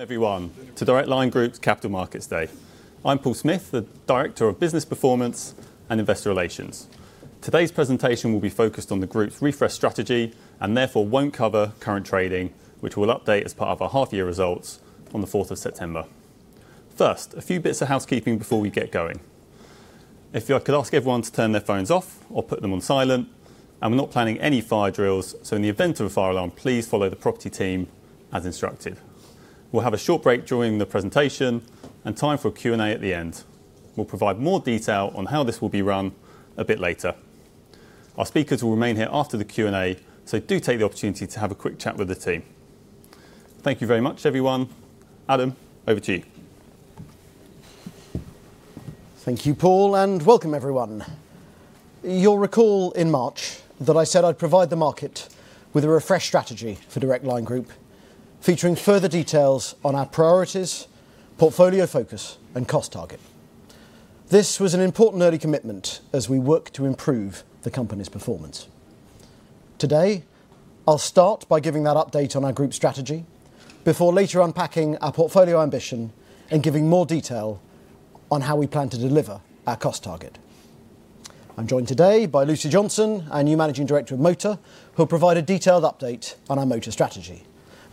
Everyone to Direct Line Group's Capital Markets Day. I'm Paul Smith, the Director of Business Performance and Investor Relations. Today's presentation will be focused on the group's refreshed strategy, and therefore won't cover current trading, which we'll update as part of our half year results on the fourth of September. First, a few bits of housekeeping before we get going. If I could ask everyone to turn their phones off or put them on silent, and we're not planning any fire drills, so in the event of a fire alarm, please follow the property team as instructed. We'll have a short break during the presentation and time for a Q&A at the end. We'll provide more detail on how this will be run a bit later. Our speakers will remain here after the Q&A, so do take the opportunity to have a quick chat with the team. Thank you very much everyone. Adam, over to you. Thank you, Paul, and welcome everyone. You'll recall in March that I said I'd provide the market with a refreshed strategy for Direct Line Group, featuring further details on our priorities, portfolio focus, and cost target. This was an important early commitment as we work to improve the company's performance. Today, I'll start by giving that update on our group strategy before later unpacking our portfolio ambition and giving more detail on how we plan to deliver our cost target. I'm joined today by Lucy Johnson, our new Managing Director of Motor, who will provide a detailed update on our motor strategy.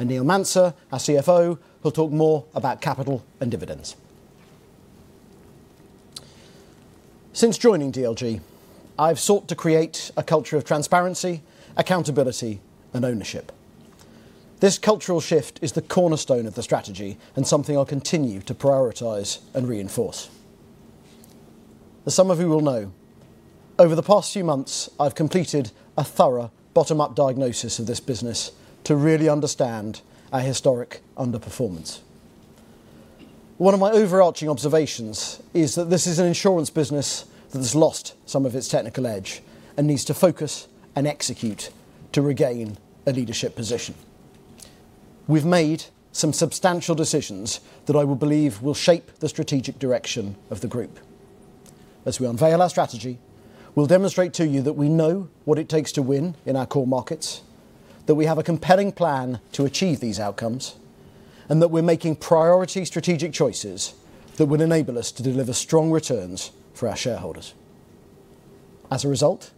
Neil Manser, our CFO, will talk more about capital and dividends. Since joining DLG, I've sought to create a culture of transparency, accountability and ownership. This cultural shift is the cornerstone of the strategy and something I'll continue to prioritize and reinforce. As some of you will know, over the past few months, I've completed a thorough bottom-up diagnosis of this business to really understand our historic underperformance. One of my overarching observations is that this is an insurance business that has lost some of its technical edge and needs to focus and execute to regain a leadership position. We've made some substantial decisions that I believe will shape the strategic direction of the group. As we unveil our strategy, we'll demonstrate to you that we know what it takes to win in our core markets, that we have a compelling plan to achieve these outcomes, and that we're making priority strategic choices that will enable us to deliver strong returns for our shareholders. As a result,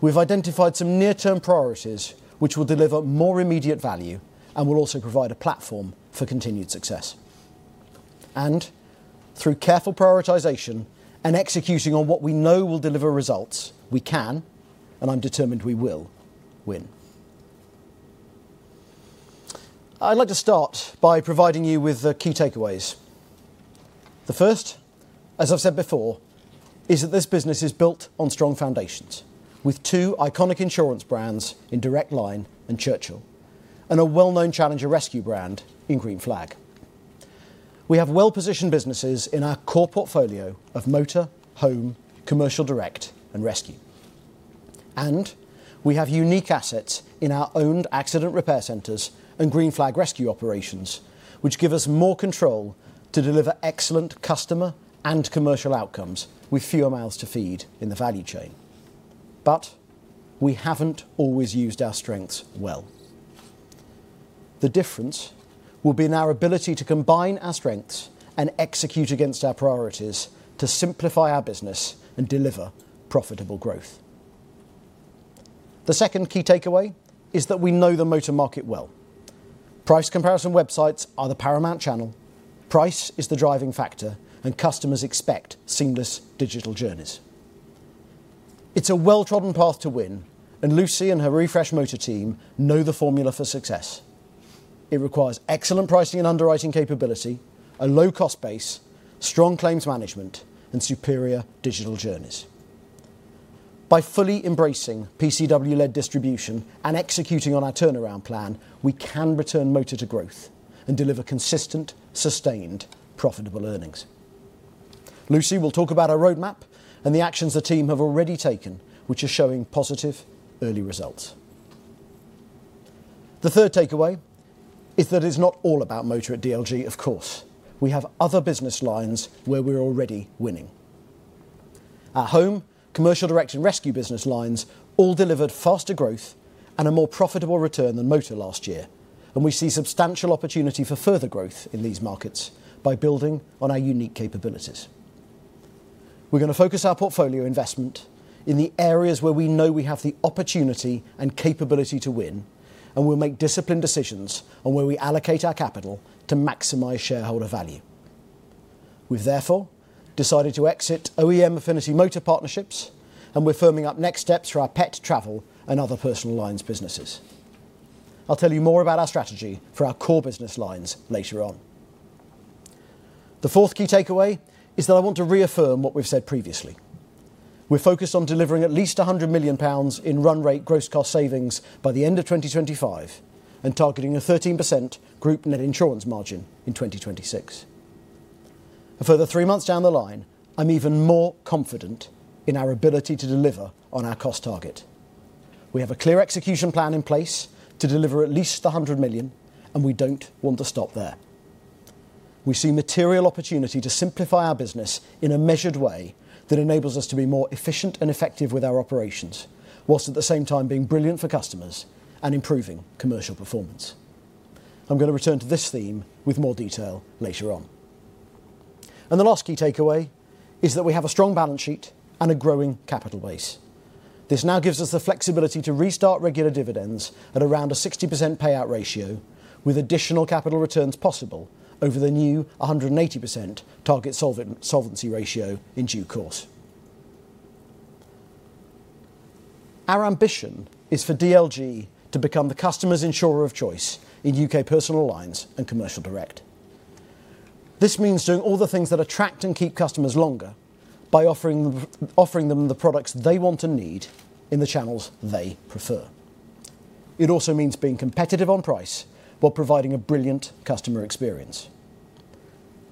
we've identified some near-term priorities which will deliver more immediate value and will also provide a platform for continued success. Through careful prioritization and executing on what we know will deliver results, we can, and I'm determined we will, win. I'd like to start by providing you with the key takeaways. The first, as I've said before, is that this business is built on strong foundations, with two iconic insurance brands in Direct Line and Churchill, and a well-known challenger rescue brand in Green Flag. We have well-positioned businesses in our core portfolio of motor, home, commercial direct, and rescue. We have unique assets in our owned accident repair centers and Green Flag rescue operations, which give us more control to deliver excellent customer and commercial outcomes with fewer mouths to feed in the value chain. We haven't always used our strengths well. The difference will be in our ability to combine our strengths and execute against our priorities to simplify our business and deliver profitable growth. The second key takeaway is that we know the motor market well. Price comparison websites are the paramount channel, price is the driving factor, and customers expect seamless digital journeys. It's a well-trodden path to win, and Lucy and her refreshed motor team know the formula for success. It requires excellent pricing and underwriting capability, a low cost base, strong claims management, and superior digital journeys. By fully embracing PCW-led distribution and executing on our turnaround plan, we can return motor to growth and deliver consistent, sustained, profitable earnings. Lucy will talk about our roadmap and the actions the team have already taken, which are showing positive early results. The third takeaway is that it's not all about motor at DLG, of course. We have other business lines where we're already winning. Our home, commercial direct, and rescue business lines all delivered faster growth and a more profitable return than motor last year, and we see substantial opportunity for further growth in these markets by building on our unique capabilities. We're gonna focus our portfolio investment in the areas where we know we have the opportunity and capability to win, and we'll make disciplined decisions on where we allocate our capital to maximize shareholder value. We've therefore decided to exit OEM affinity motor partnerships, and we're firming up next steps for our pet, travel and other personal lines businesses. I'll tell you more about our strategy for our core business lines later on. The fourth key takeaway is that I want to reaffirm what we've said previously. We're focused on delivering at least 100 million pounds in run rate gross cost savings by the end of 2025, and targeting a 13% group net insurance margin in 2026. A further three months down the line, I'm even more confident in our ability to deliver on our cost target. We have a clear execution plan in place to deliver at least the 100 million, and we don't want to stop there.... we see material opportunity to simplify our business in a measured way that enables us to be more efficient and effective with our operations, while at the same time being brilliant for customers and improving commercial performance. I'm gonna return to this theme with more detail later on. And the last key takeaway is that we have a strong balance sheet and a growing capital base. This now gives us the flexibility to restart regular dividends at around a 60% payout ratio, with additional capital returns possible over the new 180% target solvency ratio in due course. Our ambition is for DLG to become the customer's insurer of choice in U.K. personal lines and commercial direct. This means doing all the things that attract and keep customers longer by offering them, offering them the products they want and need in the channels they prefer. It also means being competitive on price while providing a brilliant customer experience.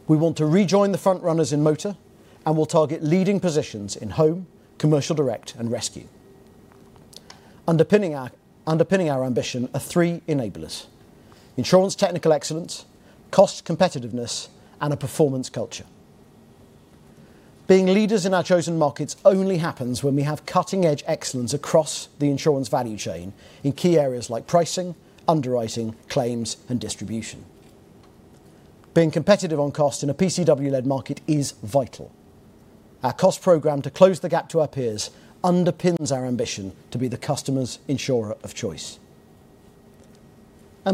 We want to rejoin the front runners in motor, and we'll target leading positions in home, commercial direct, and rescue. Underpinning our, underpinning our ambition are three enablers: insurance technical excellence, cost competitiveness, and a performance culture. Being leaders in our chosen markets only happens when we have cutting-edge excellence across the insurance value chain in key areas like pricing, underwriting, claims, and distribution. Being competitive on cost in a PCW-led market is vital. Our cost program to close the gap to our peers underpins our ambition to be the customer's insurer of choice.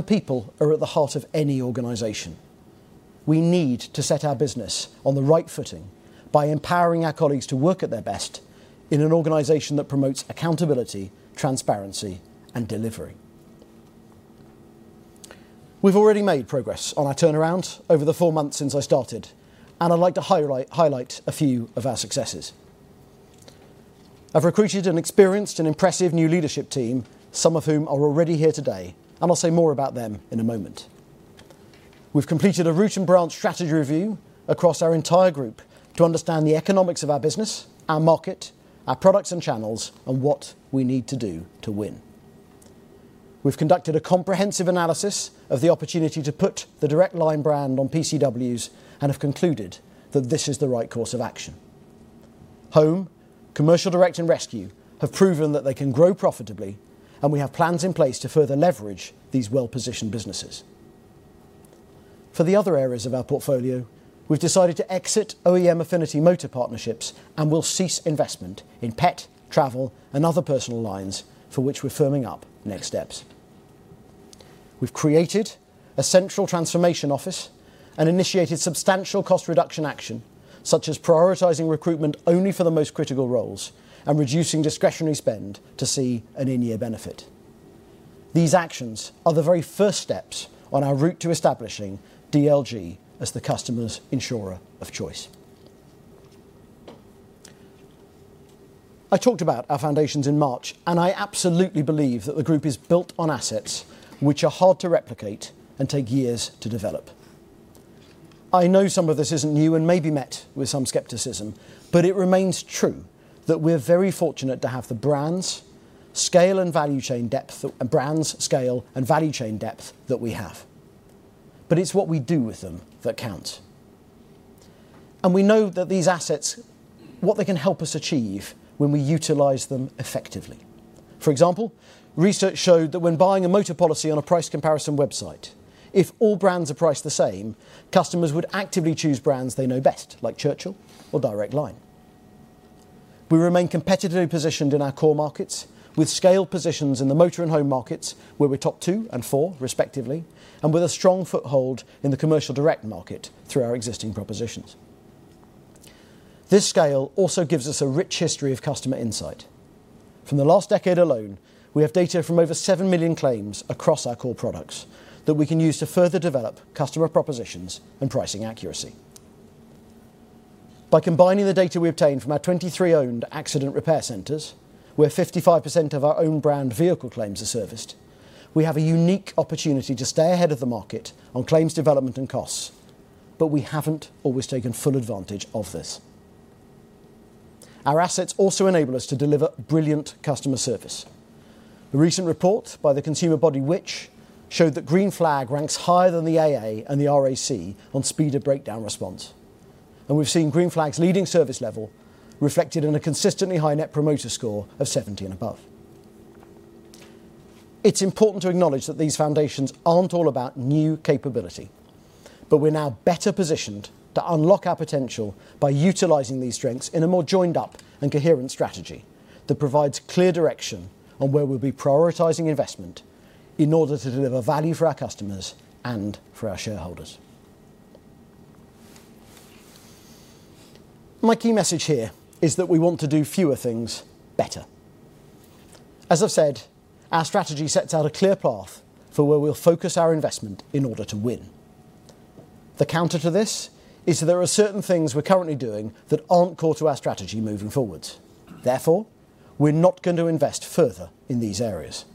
People are at the heart of any organization. We need to set our business on the right footing by empowering our colleagues to work at their best in an organization that promotes accountability, transparency, and delivery. We've already made progress on our turnaround over the four months since I started, and I'd like to highlight a few of our successes. I've recruited an experienced and impressive new leadership team, some of whom are already here today, and I'll say more about them in a moment. We've completed a root and branch strategy review across our entire group to understand the economics of our business, our market, our products and channels, and what we need to do to win. We've conducted a comprehensive analysis of the opportunity to put the Direct Line brand on PCWs and have concluded that this is the right course of action. Home, commercial direct, and rescue have proven that they can grow profitably, and we have plans in place to further leverage these well-positioned businesses. For the other areas of our portfolio, we've decided to exit OEM affinity motor partnerships, and we'll cease investment in pet, travel, and other personal lines for which we're firming up next steps. We've created a central transformation office and initiated substantial cost reduction action, such as prioritizing recruitment only for the most critical roles and reducing discretionary spend to see an in-year benefit. These actions are the very first steps on our route to establishing DLG as the customer's insurer of choice. I talked about our foundations in March, and I absolutely believe that the group is built on assets which are hard to replicate and take years to develop. I know some of this isn't new and may be met with some skepticism, but it remains true that we're very fortunate to have the brands, scale, and value chain depth, brands, scale, and value chain depth that we have. But it's what we do with them that counts. We know that these assets, what they can help us achieve when we utilize them effectively. For example, research showed that when buying a motor policy on a price comparison website, if all brands are priced the same, customers would actively choose brands they know best, like Churchill or Direct Line. We remain competitively positioned in our core markets with scaled positions in the motor and home markets, where we're top 2 and 4 respectively, and with a strong foothold in the commercial direct market through our existing propositions. This scale also gives us a rich history of customer insight. From the last decade alone, we have data from over 7 million claims across our core products that we can use to further develop customer propositions and pricing accuracy. By combining the data we obtained from our 23 owned accident repair centers, where 55% of our own brand vehicle claims are serviced, we have a unique opportunity to stay ahead of the market on claims development and costs, but we haven't always taken full advantage of this. Our assets also enable us to deliver brilliant customer service. A recent report by the consumer body, Which?, showed that Green Flag ranks higher than the AA and the RAC on speed of breakdown response. We've seen Green Flag's leading service level reflected in a consistently high Net Promoter Score of 70 and above. It's important to acknowledge that these foundations aren't all about new capability, but we're now better positioned to unlock our potential by utilizing these strengths in a more joined-up and coherent strategy that provides clear direction on where we'll be prioritizing investment in order to deliver value for our customers and for our shareholders. My key message here is that we want to do fewer things better. As I've said, our strategy sets out a clear path for where we'll focus our investment in order to win. The counter to this is that there are certain things we're currently doing that aren't core to our strategy moving forward. Therefore, we're not going to invest further in these areas.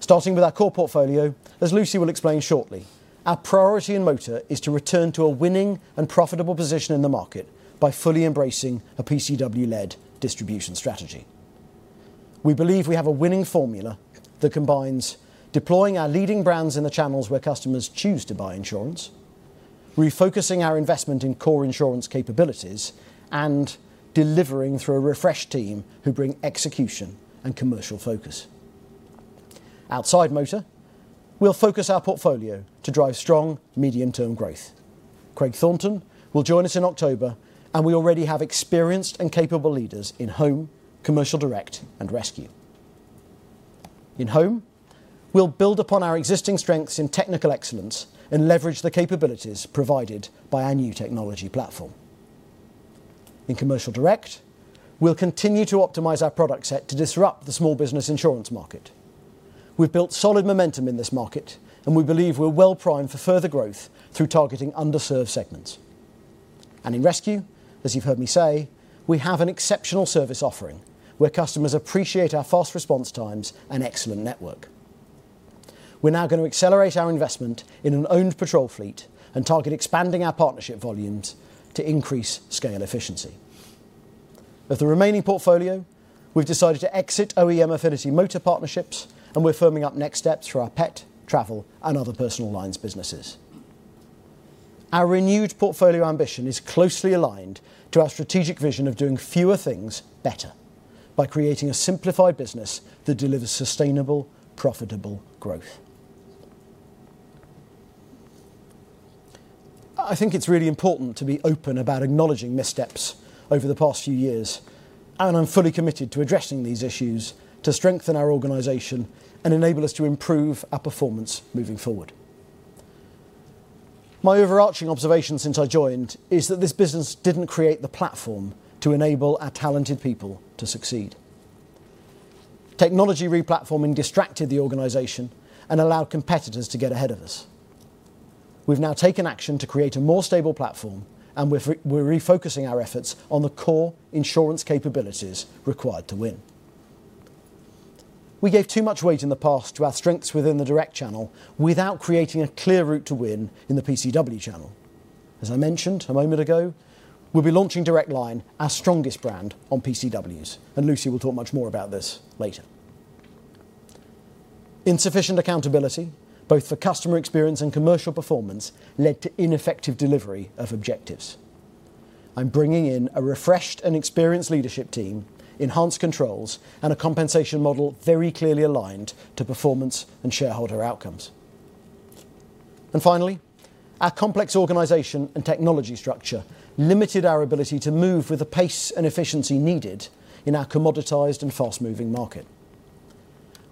Starting with our core portfolio, as Lucy will explain shortly, our priority in motor is to return to a winning and profitable position in the market by fully embracing a PCW-led distribution strategy. We believe we have a winning formula that combines deploying our leading brands in the channels where customers choose to buy insurance, refocusing our investment in core insurance capabilities, and delivering through a refresh team who bring execution and commercial focus. Outside motor, we'll focus our portfolio to drive strong medium-term growth. Craig Thornton will join us in October, and we already have experienced and capable leaders in home, commercial direct, and rescue. In home, we'll build upon our existing strengths in technical excellence and leverage the capabilities provided by our new technology platform. In commercial direct, we'll continue to optimize our product set to disrupt the small business insurance market. We've built solid momentum in this market, and we believe we're well primed for further growth through targeting underserved segments. And in rescue, as you've heard me say, we have an exceptional service offering, where customers appreciate our fast response times and excellent network. We're now gonna accelerate our investment in an owned patrol fleet and target expanding our partnership volumes to increase scale efficiency. With the remaining portfolio, we've decided to exit OEM affinity motor partnerships, and we're firming up next steps through our pet, travel, and other personal lines businesses. Our renewed portfolio ambition is closely aligned to our strategic vision of doing fewer things better by creating a simplified business that delivers sustainable, profitable growth. I think it's really important to be open about acknowledging missteps over the past few years, and I'm fully committed to addressing these issues to strengthen our organization and enable us to improve our performance moving forward. My overarching observation since I joined is that this business didn't create the platform to enable our talented people to succeed. Technology re-platforming distracted the organization and allowed competitors to get ahead of us. We've now taken action to create a more stable platform, and we're refocusing our efforts on the core insurance capabilities required to win. We gave too much weight in the past to our strengths within the direct channel without creating a clear route to win in the PCW channel. As I mentioned a moment ago, we'll be launching Direct Line, our strongest brand, on PCWs, and Lucy will talk much more about this later. Insufficient accountability, both for customer experience and commercial performance, led to ineffective delivery of objectives. I'm bringing in a refreshed and experienced leadership team, enhanced controls, and a compensation model very clearly aligned to performance and shareholder outcomes. Finally, our complex organization and technology structure limited our ability to move with the pace and efficiency needed in our commoditized and fast-moving market.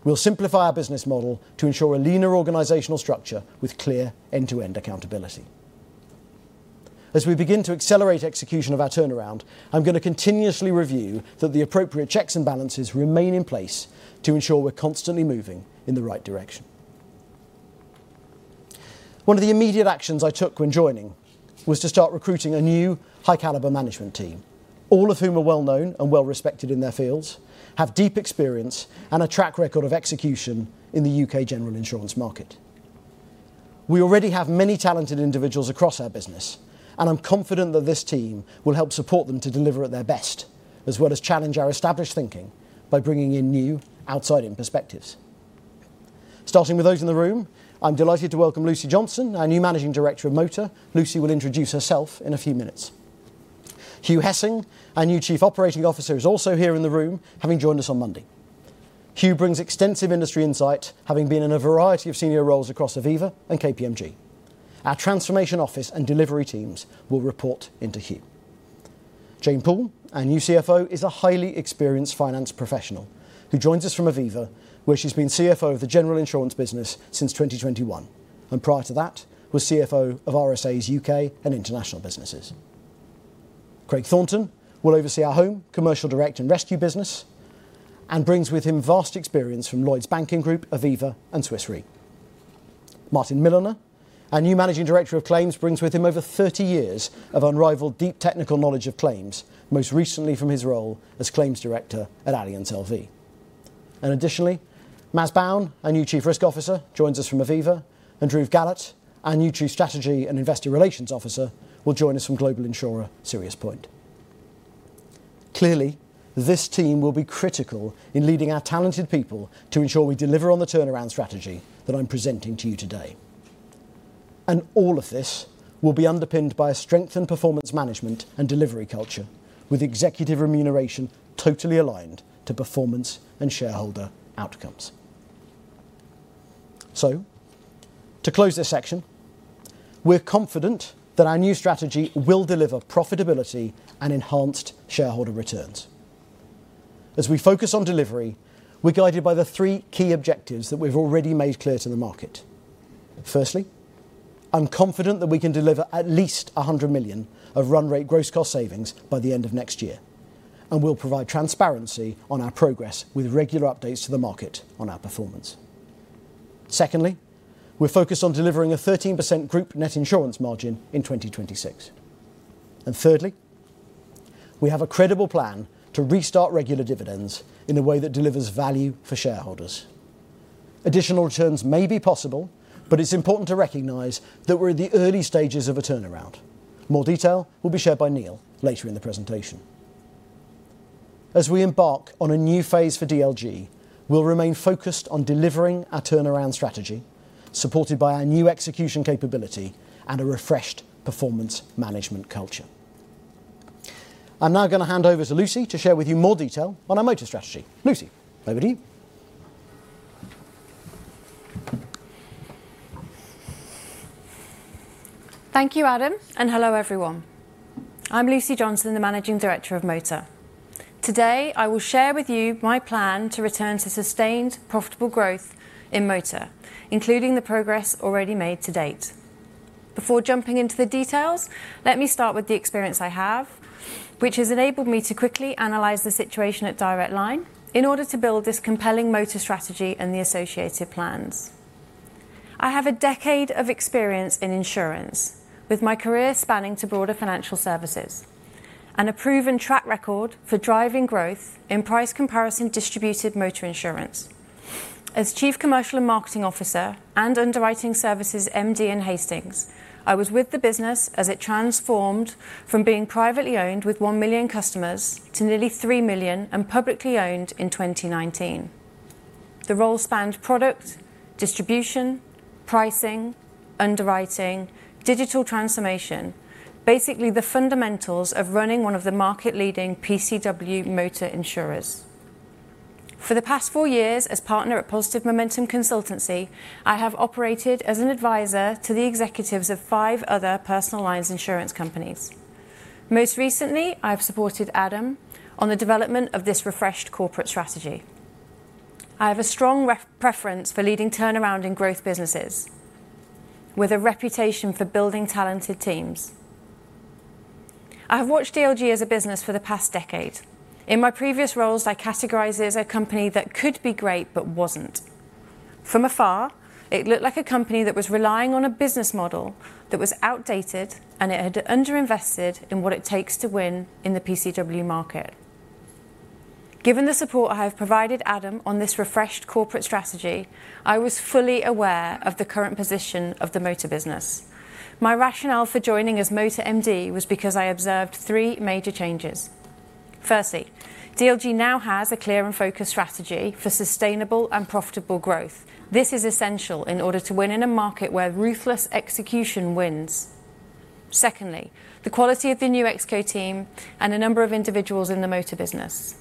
We'll simplify our business model to ensure a leaner organizational structure with clear end-to-end accountability. As we begin to accelerate execution of our turnaround, I'm gonna continuously review that the appropriate checks and balances remain in place to ensure we're constantly moving in the right direction. One of the immediate actions I took when joining was to start recruiting a new high caliber management team, all of whom are well known and well respected in their fields, have deep experience and a track record of execution in the U.K. general insurance market. We already have many talented individuals across our business, and I'm confident that this team will help support them to deliver at their best, as well as challenge our established thinking by bringing in new, outside-in perspectives. Starting with those in the room, I'm delighted to welcome Lucy Johnson, our new Managing Director of Motor. Lucy will introduce herself in a few minutes. Hugh Hessing, our new Chief Operating Officer, is also here in the room, having joined us on Monday. Hugh brings extensive industry insight, having been in a variety of senior roles across Aviva and KPMG. Our transformation office and delivery teams will report into Hugh. Jane Poole, our new CFO, is a highly experienced finance professional who joins us from Aviva, where she's been CFO of the general insurance business since 2021, and prior to that, was CFO of RSA's U.K. and international businesses. Craig Thornton will oversee our home, commercial direct, and rescue business, and brings with him vast experience from Lloyds Banking Group, Aviva, and Swiss Re. Martin Milliner, our new Managing Director of Claims, brings with him over 30 years of unrivaled deep technical knowledge of claims, most recently from his role as Claims Director at Allianz LV=. Additionally, Maz Bown, our new Chief Risk Officer, joins us from Aviva, and Dhruv Gahlaut, our new Chief Strategy and Investor Relations Officer, will join us from global insurer, SiriusPoint. Clearly, this team will be critical in leading our talented people to ensure we deliver on the turnaround strategy that I'm presenting to you today. And all of this will be underpinned by a strength and performance management and delivery culture, with executive remuneration totally aligned to performance and shareholder outcomes. So to close this section, we're confident that our new strategy will deliver profitability and enhanced shareholder returns. As we focus on delivery, we're guided by the three key objectives that we've already made clear to the market. Firstly, I'm confident that we can deliver at least 100 million of run rate gross cost savings by the end of next year, and we'll provide transparency on our progress with regular updates to the market on our performance. Secondly, we're focused on delivering a 13% group net insurance margin in 2026. Thirdly, we have a credible plan to restart regular dividends in a way that delivers value for shareholders. Additional returns may be possible, but it's important to recognize that we're in the early stages of a turnaround. More detail will be shared by Neil later in the presentation. As we embark on a new phase for DLG, we'll remain focused on delivering our turnaround strategy, supported by our new execution capability and a refreshed performance management culture. I'm now going to hand over to Lucy to share with you more detail on our motor strategy. Lucy, over to you. Thank you, Adam, and hello, everyone. I'm Lucy Johnson, the Managing Director of Motor. Today, I will share with you my plan to return to sustained, profitable growth in motor, including the progress already made to date. Before jumping into the details, let me start with the experience I have, which has enabled me to quickly analyze the situation at Direct Line in order to build this compelling motor strategy and the associated plans. I have a decade of experience in insurance, with my career spanning to broader financial services, and a proven track record for driving growth in price comparison distributed motor insurance. As Chief Commercial and Marketing Officer and Underwriting Services MD in Hastings, I was with the business as it transformed from being privately owned with 1 million customers to nearly 3 million and publicly owned in 2019. The role spanned product, distribution, pricing, underwriting, digital transformation, basically the fundamentals of running one of the market-leading PCW motor insurers. For the past four years as partner at Positive Momentum consultancy, I have operated as an advisor to the executives of five other personal lines insurance companies. Most recently, I have supported Adam on the development of this refreshed corporate strategy. I have a strong preference for leading turnaround in growth businesses, with a reputation for building talented teams. I have watched DLG as a business for the past decade. In my previous roles, I categorized it as a company that could be great but wasn't. From afar, it looked like a company that was relying on a business model that was outdated, and it had underinvested in what it takes to win in the PCW market. Given the support I have provided Adam on this refreshed corporate strategy, I was fully aware of the current position of the motor business. My rationale for joining as motor MD was because I observed three major changes. Firstly, DLG now has a clear and focused strategy for sustainable and profitable growth. This is essential in order to win in a market where ruthless execution wins. Secondly, the quality of the new ExCo team and a number of individuals in the motor business.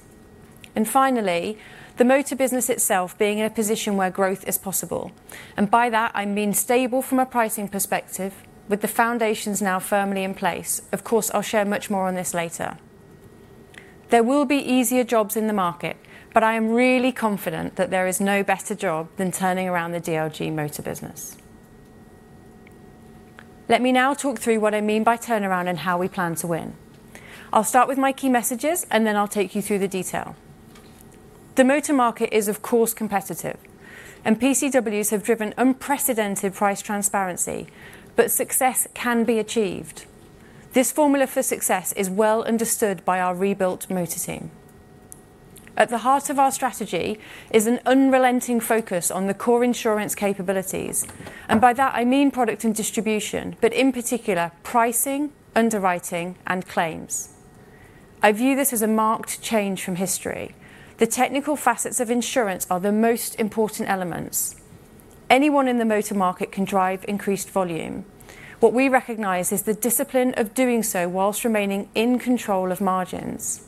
And finally, the motor business itself being in a position where growth is possible. And by that, I mean stable from a pricing perspective, with the foundations now firmly in place. Of course, I'll share much more on this later. There will be easier jobs in the market, but I am really confident that there is no better job than turning around the DLG motor business. Let me now talk through what I mean by turnaround and how we plan to win. I'll start with my key messages, and then I'll take you through the detail. The motor market is, of course, competitive, and PCWs have driven unprecedented price transparency, but success can be achieved. This formula for success is well understood by our rebuilt motor team. At the heart of our strategy is an unrelenting focus on the core insurance capabilities, and by that I mean product and distribution, but in particular, pricing, underwriting, and claims. I view this as a marked change from history. The technical facets of insurance are the most important elements. Anyone in the motor market can drive increased volume. What we recognize is the discipline of doing so while remaining in control of margins.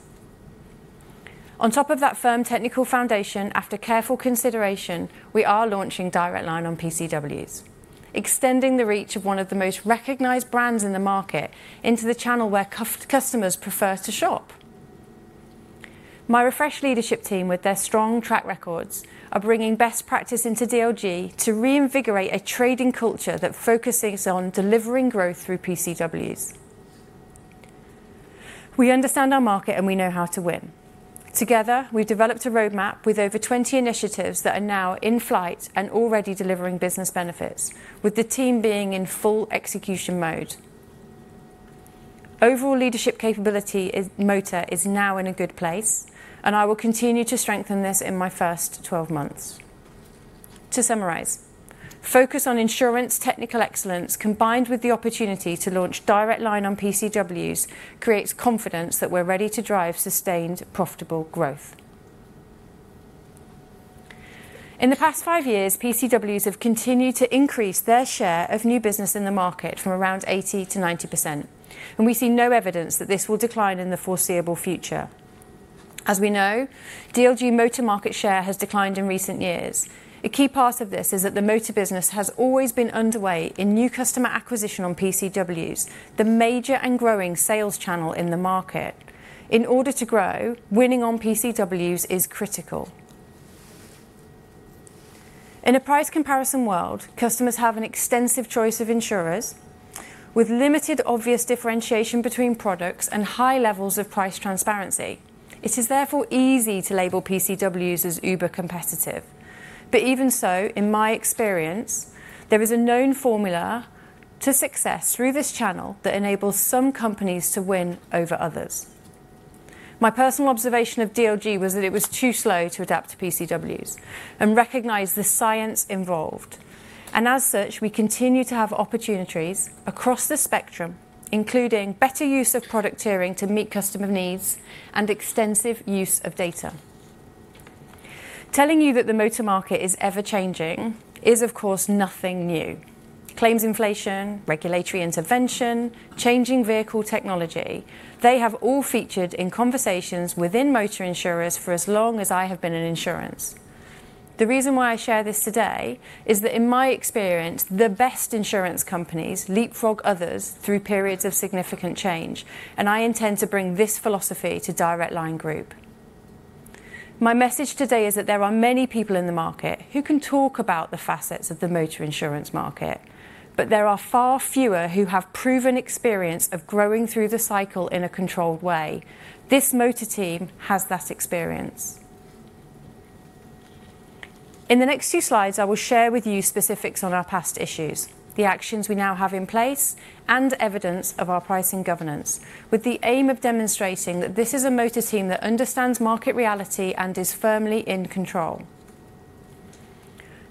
On top of that firm technical foundation, after careful consideration, we are launching Direct Line on PCWs, extending the reach of one of the most recognized brands in the market into the channel where customers prefer to shop. My refreshed leadership team, with their strong track records, are bringing best practice into DLG to reinvigorate a trading culture that focuses on delivering growth through PCWs. We understand our market, and we know how to win. Together, we've developed a roadmap with over 20 initiatives that are now in flight and already delivering business benefits, with the team being in full execution mode. Overall leadership capability is... motor is now in a good place, and I will continue to strengthen this in my first 12 months. To summarize, focus on insurance technical excellence, combined with the opportunity to launch Direct Line on PCWs, creates confidence that we're ready to drive sustained, profitable growth. In the past five years, PCWs have continued to increase their share of new business in the market from around 80%-90%, and we see no evidence that this will decline in the foreseeable future. As we know, DLG motor market share has declined in recent years. A key part of this is that the motor business has always been underweight in new customer acquisition on PCWs, the major and growing sales channel in the market. In order to grow, winning on PCWs is critical. In a price comparison world, customers have an extensive choice of insurers with limited obvious differentiation between products and high levels of price transparency. It is therefore easy to label PCWs as uber competitive. Even so, in my experience, there is a known formula to success through this channel that enables some companies to win over others. My personal observation of DLG was that it was too slow to adapt to PCWs and recognize the science involved. As such, we continue to have opportunities across the spectrum, including better use of product tiering to meet customer needs and extensive use of data. Telling you that the motor market is ever-changing is, of course, nothing new. Claims inflation, regulatory intervention, changing vehicle technology, they have all featured in conversations within motor insurers for as long as I have been in insurance. The reason why I share this today is that in my experience, the best insurance companies leapfrog others through periods of significant change, and I intend to bring this philosophy to Direct Line Group. My message today is that there are many people in the market who can talk about the facets of the motor insurance market, but there are far fewer who have proven experience of growing through the cycle in a controlled way. This motor team has that experience. In the next few slides, I will share with you specifics on our past issues, the actions we now have in place, and evidence of our pricing governance, with the aim of demonstrating that this is a motor team that understands market reality and is firmly in control.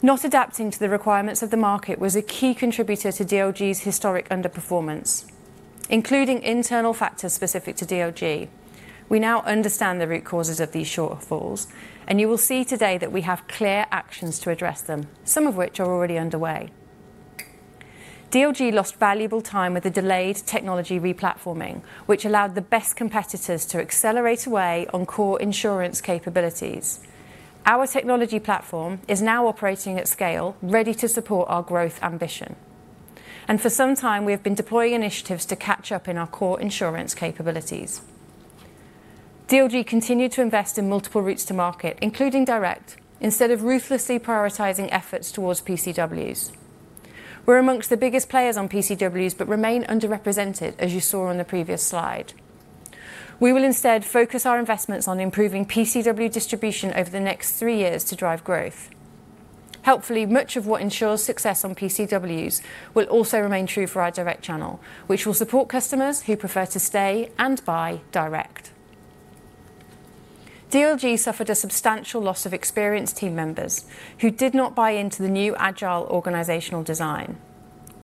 Not adapting to the requirements of the market was a key contributor to DLG's historic underperformance, including internal factors specific to DLG. We now understand the root causes of these shortfalls, and you will see today that we have clear actions to address them, some of which are already underway. DLG lost valuable time with the delayed technology re-platforming, which allowed the best competitors to accelerate away on core insurance capabilities. Our technology platform is now operating at scale, ready to support our growth ambition, and for some time we have been deploying initiatives to catch up in our core insurance capabilities. DLG continued to invest in multiple routes to market, including direct, instead of ruthlessly prioritizing efforts towards PCWs. We're among the biggest players on PCWs, but remain underrepresented, as you saw on the previous slide. We will instead focus our investments on improving PCW distribution over the next three years to drive growth. Helpfully, much of what ensures success on PCWs will also remain true for our direct channel, which will support customers who prefer to stay and buy direct. DLG suffered a substantial loss of experienced team members who did not buy into the new agile organizational design.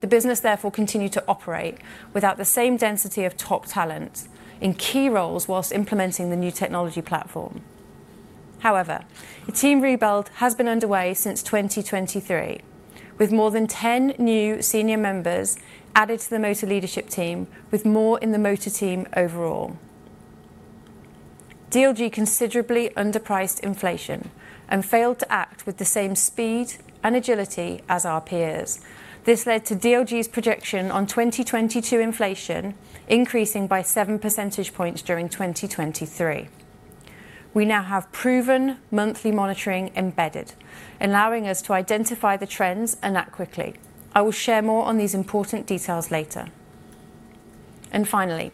The business, therefore, continued to operate without the same density of top talent in key roles while implementing the new technology platform. However, a team rebuild has been underway since 2023, with more than 10 new senior members added to the motor leadership team, with more in the motor team overall. DLG considerably underpriced inflation and failed to act with the same speed and agility as our peers. This led to DLG's projection on 2022 inflation increasing by 7 percentage points during 2023. We now have proven monthly monitoring embedded, allowing us to identify the trends and act quickly. I will share more on these important details later. Finally,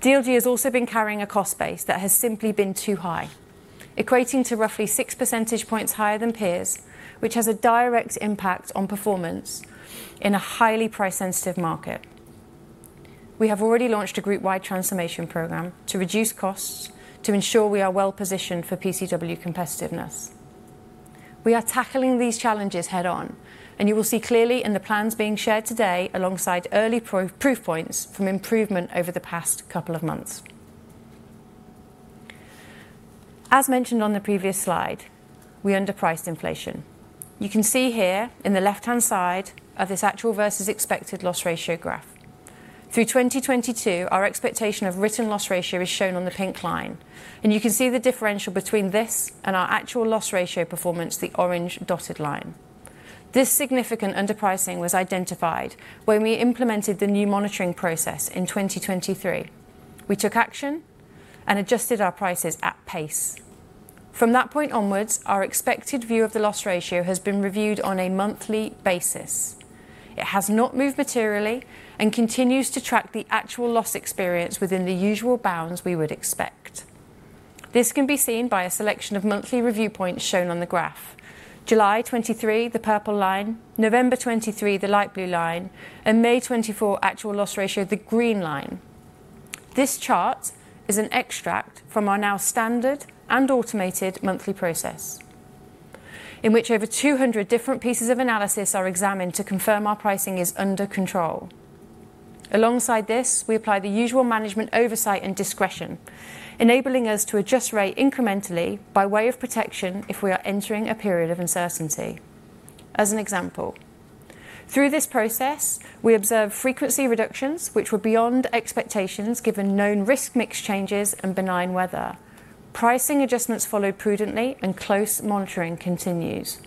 DLG has also been carrying a cost base that has simply been too high, equating to roughly six percentage points higher than peers, which has a direct impact on performance in a highly price-sensitive market. We have already launched a group-wide transformation program to reduce costs to ensure we are well positioned for PCW competitiveness. We are tackling these challenges head-on, and you will see clearly in the plans being shared today alongside early proof points from improvement over the past couple of months. As mentioned on the previous slide, we underpriced inflation. You can see here in the left-hand side of this actual versus expected loss ratio graph. Through 2022, our expectation of written loss ratio is shown on the pink line, and you can see the differential between this and our actual loss ratio performance, the orange dotted line. This significant underpricing was identified when we implemented the new monitoring process in 2023. We took action and adjusted our prices at pace. From that point onwards, our expected view of the loss ratio has been reviewed on a monthly basis. It has not moved materially and continues to track the actual loss experience within the usual bounds we would expect. This can be seen by a selection of monthly review points shown on the graph. July 2023, the purple line, November 2023, the light blue line, and May 2024, actual loss ratio, the green line. This chart is an extract from our now standard and automated monthly process, in which over 200 different pieces of analysis are examined to confirm our pricing is under control. Alongside this, we apply the usual management oversight and discretion, enabling us to adjust rate incrementally by way of protection if we are entering a period of uncertainty. As an example, through this process, we observed frequency reductions which were beyond expectations, given known risk mix changes and benign weather. Pricing adjustments followed prudently and close monitoring continues.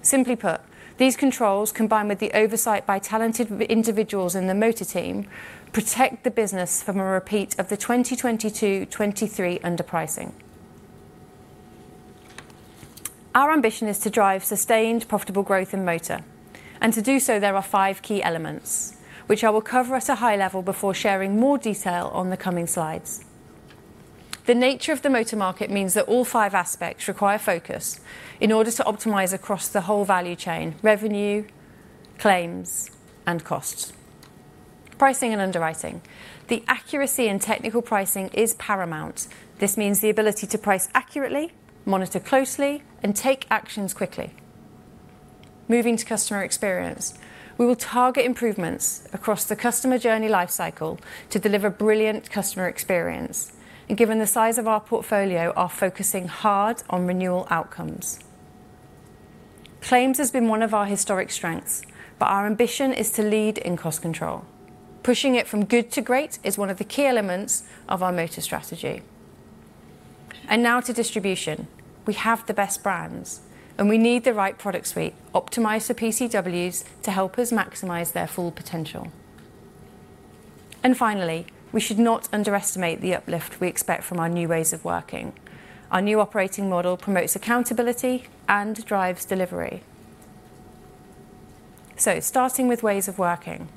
Simply put, these controls, combined with the oversight by talented individuals in the motor team, protect the business from a repeat of the 2022, 2023 underpricing. Our ambition is to drive sustained, profitable growth in motor, and to do so, there are five key elements, which I will cover at a high level before sharing more detail on the coming slides. The nature of the motor market means that all five aspects require focus in order to optimize across the whole value chain: revenue, claims and costs. Pricing and underwriting. The accuracy in technical pricing is paramount. This means the ability to price accurately, monitor closely, and take actions quickly. Moving to customer experience, we will target improvements across the customer journey life cycle to deliver brilliant customer experience, and given the size of our portfolio, are focusing hard on renewal outcomes. Claims has been one of our historic strengths, but our ambition is to lead in cost control. Pushing it from good to great is one of the key elements of our motor strategy. Now to distribution. We have the best brands, and we need the right product suite, optimized for PCWs to help us maximize their full potential. Finally, we should not underestimate the uplift we expect from our new ways of working. Our new operating model promotes accountability and drives delivery. Starting with ways of working.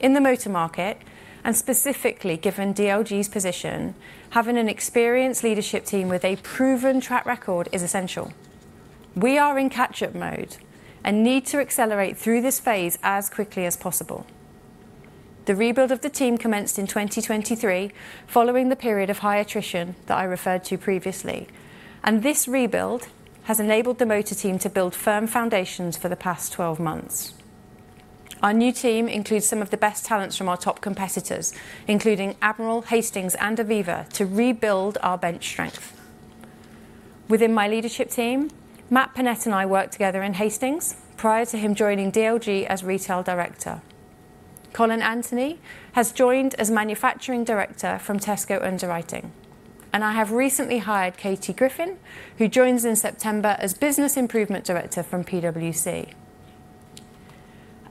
In the motor market, and specifically given DLG's position, having an experienced leadership team with a proven track record is essential. We are in catch-up mode and need to accelerate through this phase as quickly as possible. The rebuild of the team commenced in 2023, following the period of high attrition that I referred to previously, and this rebuild has enabled the motor team to build firm foundations for the past 12 months. Our new team includes some of the best talents from our top competitors, including Admiral, Hastings, and Aviva, to rebuild our bench strength. Within my leadership team, Matt Pannett and I worked together in Hastings prior to him joining DLG as retail director. Colin Anthony has joined as manufacturing director from Tesco Underwriting, and I have recently hired Katie Griffin, who joins in September as business improvement director from PwC.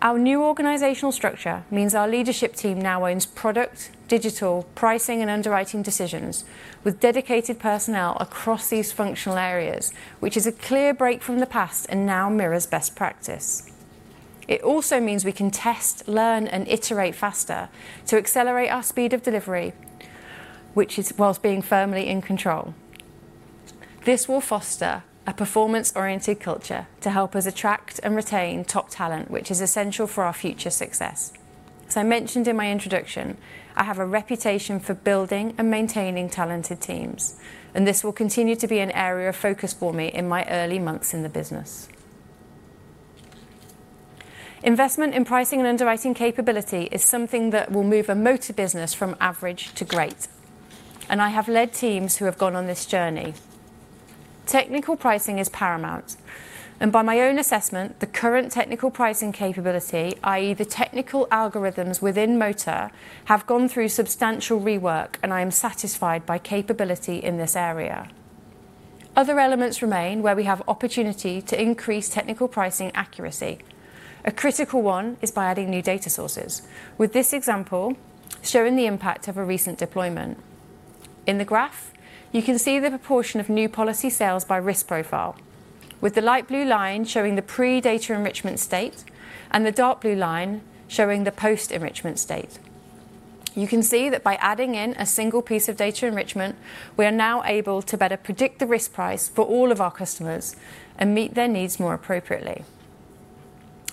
Our new organizational structure means our leadership team now owns product, digital, pricing, and underwriting decisions, with dedicated personnel across these functional areas, which is a clear break from the past and now mirrors best practice. It also means we can test, learn, and iterate faster to accelerate our speed of delivery, which is while being firmly in control. This will foster a performance-oriented culture to help us attract and retain top talent, which is essential for our future success. As I mentioned in my introduction, I have a reputation for building and maintaining talented teams, and this will continue to be an area of focus for me in my early months in the business. Investment in pricing and underwriting capability is something that will move a motor business from average to great, and I have led teams who have gone on this journey. Technical pricing is paramount, and by my own assessment, the current technical pricing capability, i.e., the technical algorithms within motor, have gone through substantial rework, and I am satisfied by capability in this area. Other elements remain where we have opportunity to increase technical pricing accuracy. A critical one is by adding new data sources, with this example showing the impact of a recent deployment. In the graph, you can see the proportion of new policy sales by risk profile, with the light blue line showing the pre-data enrichment state and the dark blue line showing the post-enrichment state. You can see that by adding in a single piece of data enrichment, we are now able to better predict the risk price for all of our customers and meet their needs more appropriately.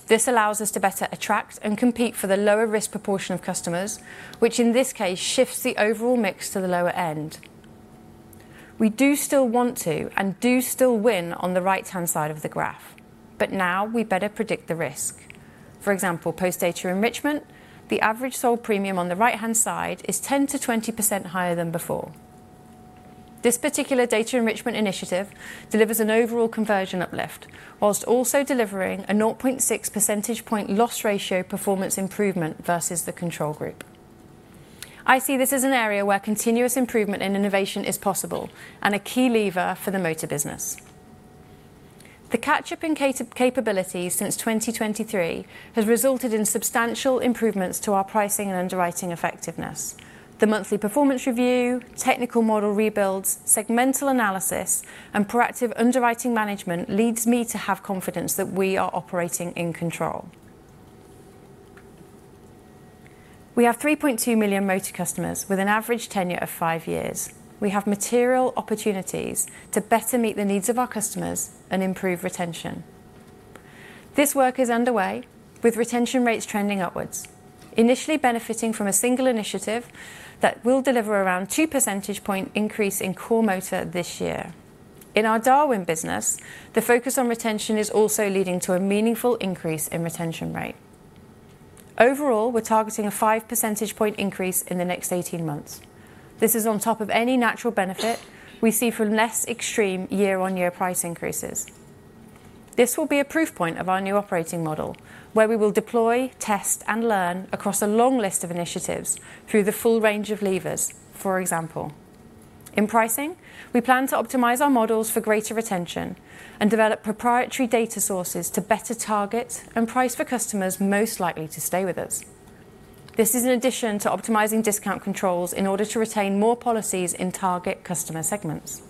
This allows us to better attract and compete for the lower-risk proportion of customers, which in this case shifts the overall mix to the lower end. We do still want to and do still win on the right-hand side of the graph, but now we better predict the risk. For example, post-data enrichment, the average sold premium on the right-hand side is 10%-20% higher than before. This particular data enrichment initiative delivers an overall conversion uplift, whilst also delivering a 0.6 percentage point loss ratio performance improvement versus the control group. I see this as an area where continuous improvement and innovation is possible and a key lever for the motor business. The catch-up in capabilities since 2023 has resulted in substantial improvements to our pricing and underwriting effectiveness. The monthly performance review, technical model rebuilds, segmental analysis, and proactive underwriting management leads me to have confidence that we are operating in control. We have 3.2 million motor customers with an average tenure of five years. We have material opportunities to better meet the needs of our customers and improve retention. This work is underway, with retention rates trending upwards, initially benefiting from a single initiative that will deliver around 2 percentage point increase in core motor this year. In our Darwin business, the focus on retention is also leading to a meaningful increase in retention rate. Overall, we're targeting a 5 percentage point increase in the next 18 months. This is on top of any natural benefit we see from less extreme year-on-year price increases. This will be a proof point of our new operating model, where we will deploy, test, and learn across a long list of initiatives through the full range of levers. For example, in pricing, we plan to optimize our models for greater retention and develop proprietary data sources to better target and price for customers most likely to stay with us. This is in addition to optimizing discount controls in order to retain more policies in target customer segments.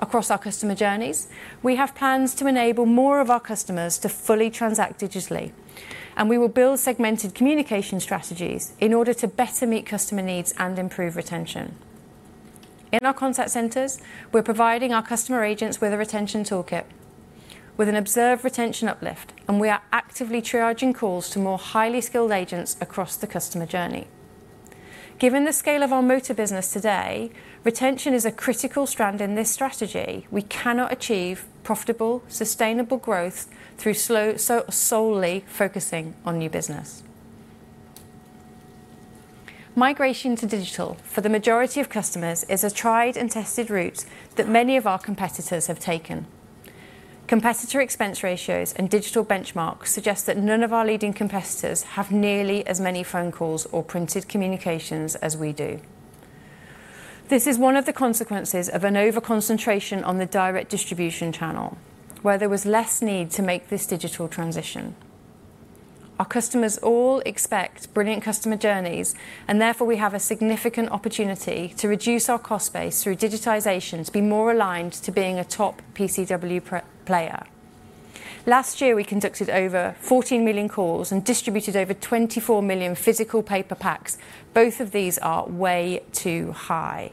Across our customer journeys, we have plans to enable more of our customers to fully transact digitally, and we will build segmented communication strategies in order to better meet customer needs and improve retention.... In our contact centers, we're providing our customer agents with a retention toolkit, with an observed retention uplift, and we are actively triaging calls to more highly skilled agents across the customer journey. Given the scale of our motor business today, retention is a critical strand in this strategy. We cannot achieve profitable, sustainable growth through solely focusing on new business. Migration to digital for the majority of customers is a tried and tested route that many of our competitors have taken. Competitor expense ratios and digital benchmarks suggest that none of our leading competitors have nearly as many phone calls or printed communications as we do. This is one of the consequences of an over-concentration on the direct distribution channel, where there was less need to make this digital transition. Our customers all expect brilliant customer journeys, and therefore we have a significant opportunity to reduce our cost base through digitization to be more aligned to being a top PCW player. Last year, we conducted over 14 million calls and distributed over 24 million physical paper packs. Both of these are way too high.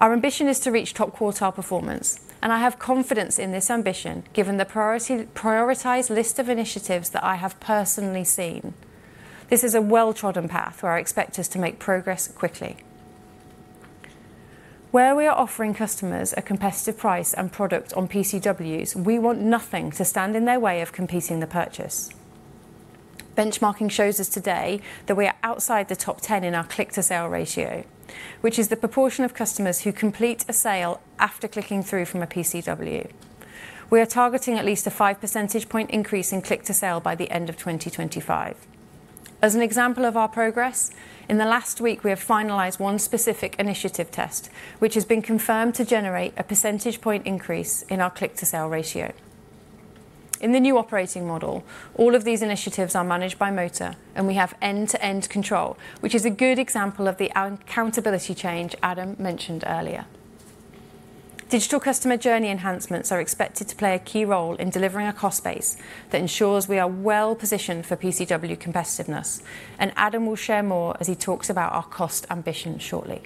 Our ambition is to reach top quartile performance, and I have confidence in this ambition, given the priority, prioritized list of initiatives that I have personally seen. This is a well-trodden path where I expect us to make progress quickly. Where we are offering customers a competitive price and product on PCWs, we want nothing to stand in their way of completing the purchase. Benchmarking shows us today that we are outside the top 10 in our click-to-sale ratio, which is the proportion of customers who complete a sale after clicking through from a PCW. We are targeting at least a 5 percentage point increase in click-to-sale by the end of 2025. As an example of our progress, in the last week, we have finalized one specific initiative test, which has been confirmed to generate a percentage point increase in our click-to-sale ratio. In the new operating model, all of these initiatives are managed by Motor, and we have end-to-end control, which is a good example of the accountability change Adam mentioned earlier. Digital customer journey enhancements are expected to play a key role in delivering a cost base that ensures we are well positioned for PCW competitiveness, and Adam will share more as he talks about our cost ambition shortly.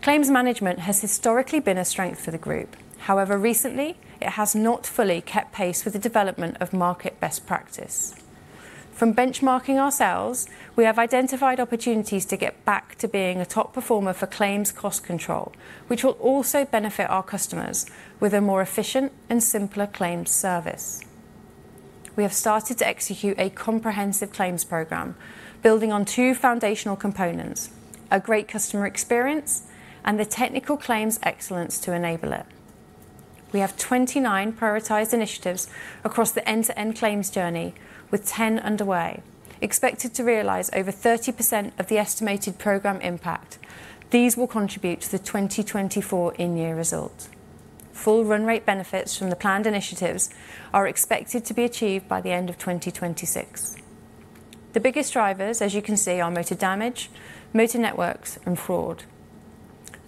Claims management has historically been a strength for the group. However, recently, it has not fully kept pace with the development of market best practice. From benchmarking ourselves, we have identified opportunities to get back to being a top performer for claims cost control, which will also benefit our customers with a more efficient and simpler claims service. We have started to execute a comprehensive claims program building on two foundational components: a great customer experience and the technical claims excellence to enable it. We have 29 prioritized initiatives across the end-to-end claims journey, with 10 underway. Expected to realize over 30% of the estimated program impact, these will contribute to the 2024 in-year result. Full run rate benefits from the planned initiatives are expected to be achieved by the end of 2026. The biggest drivers, as you can see, are motor damage, motor networks, and fraud.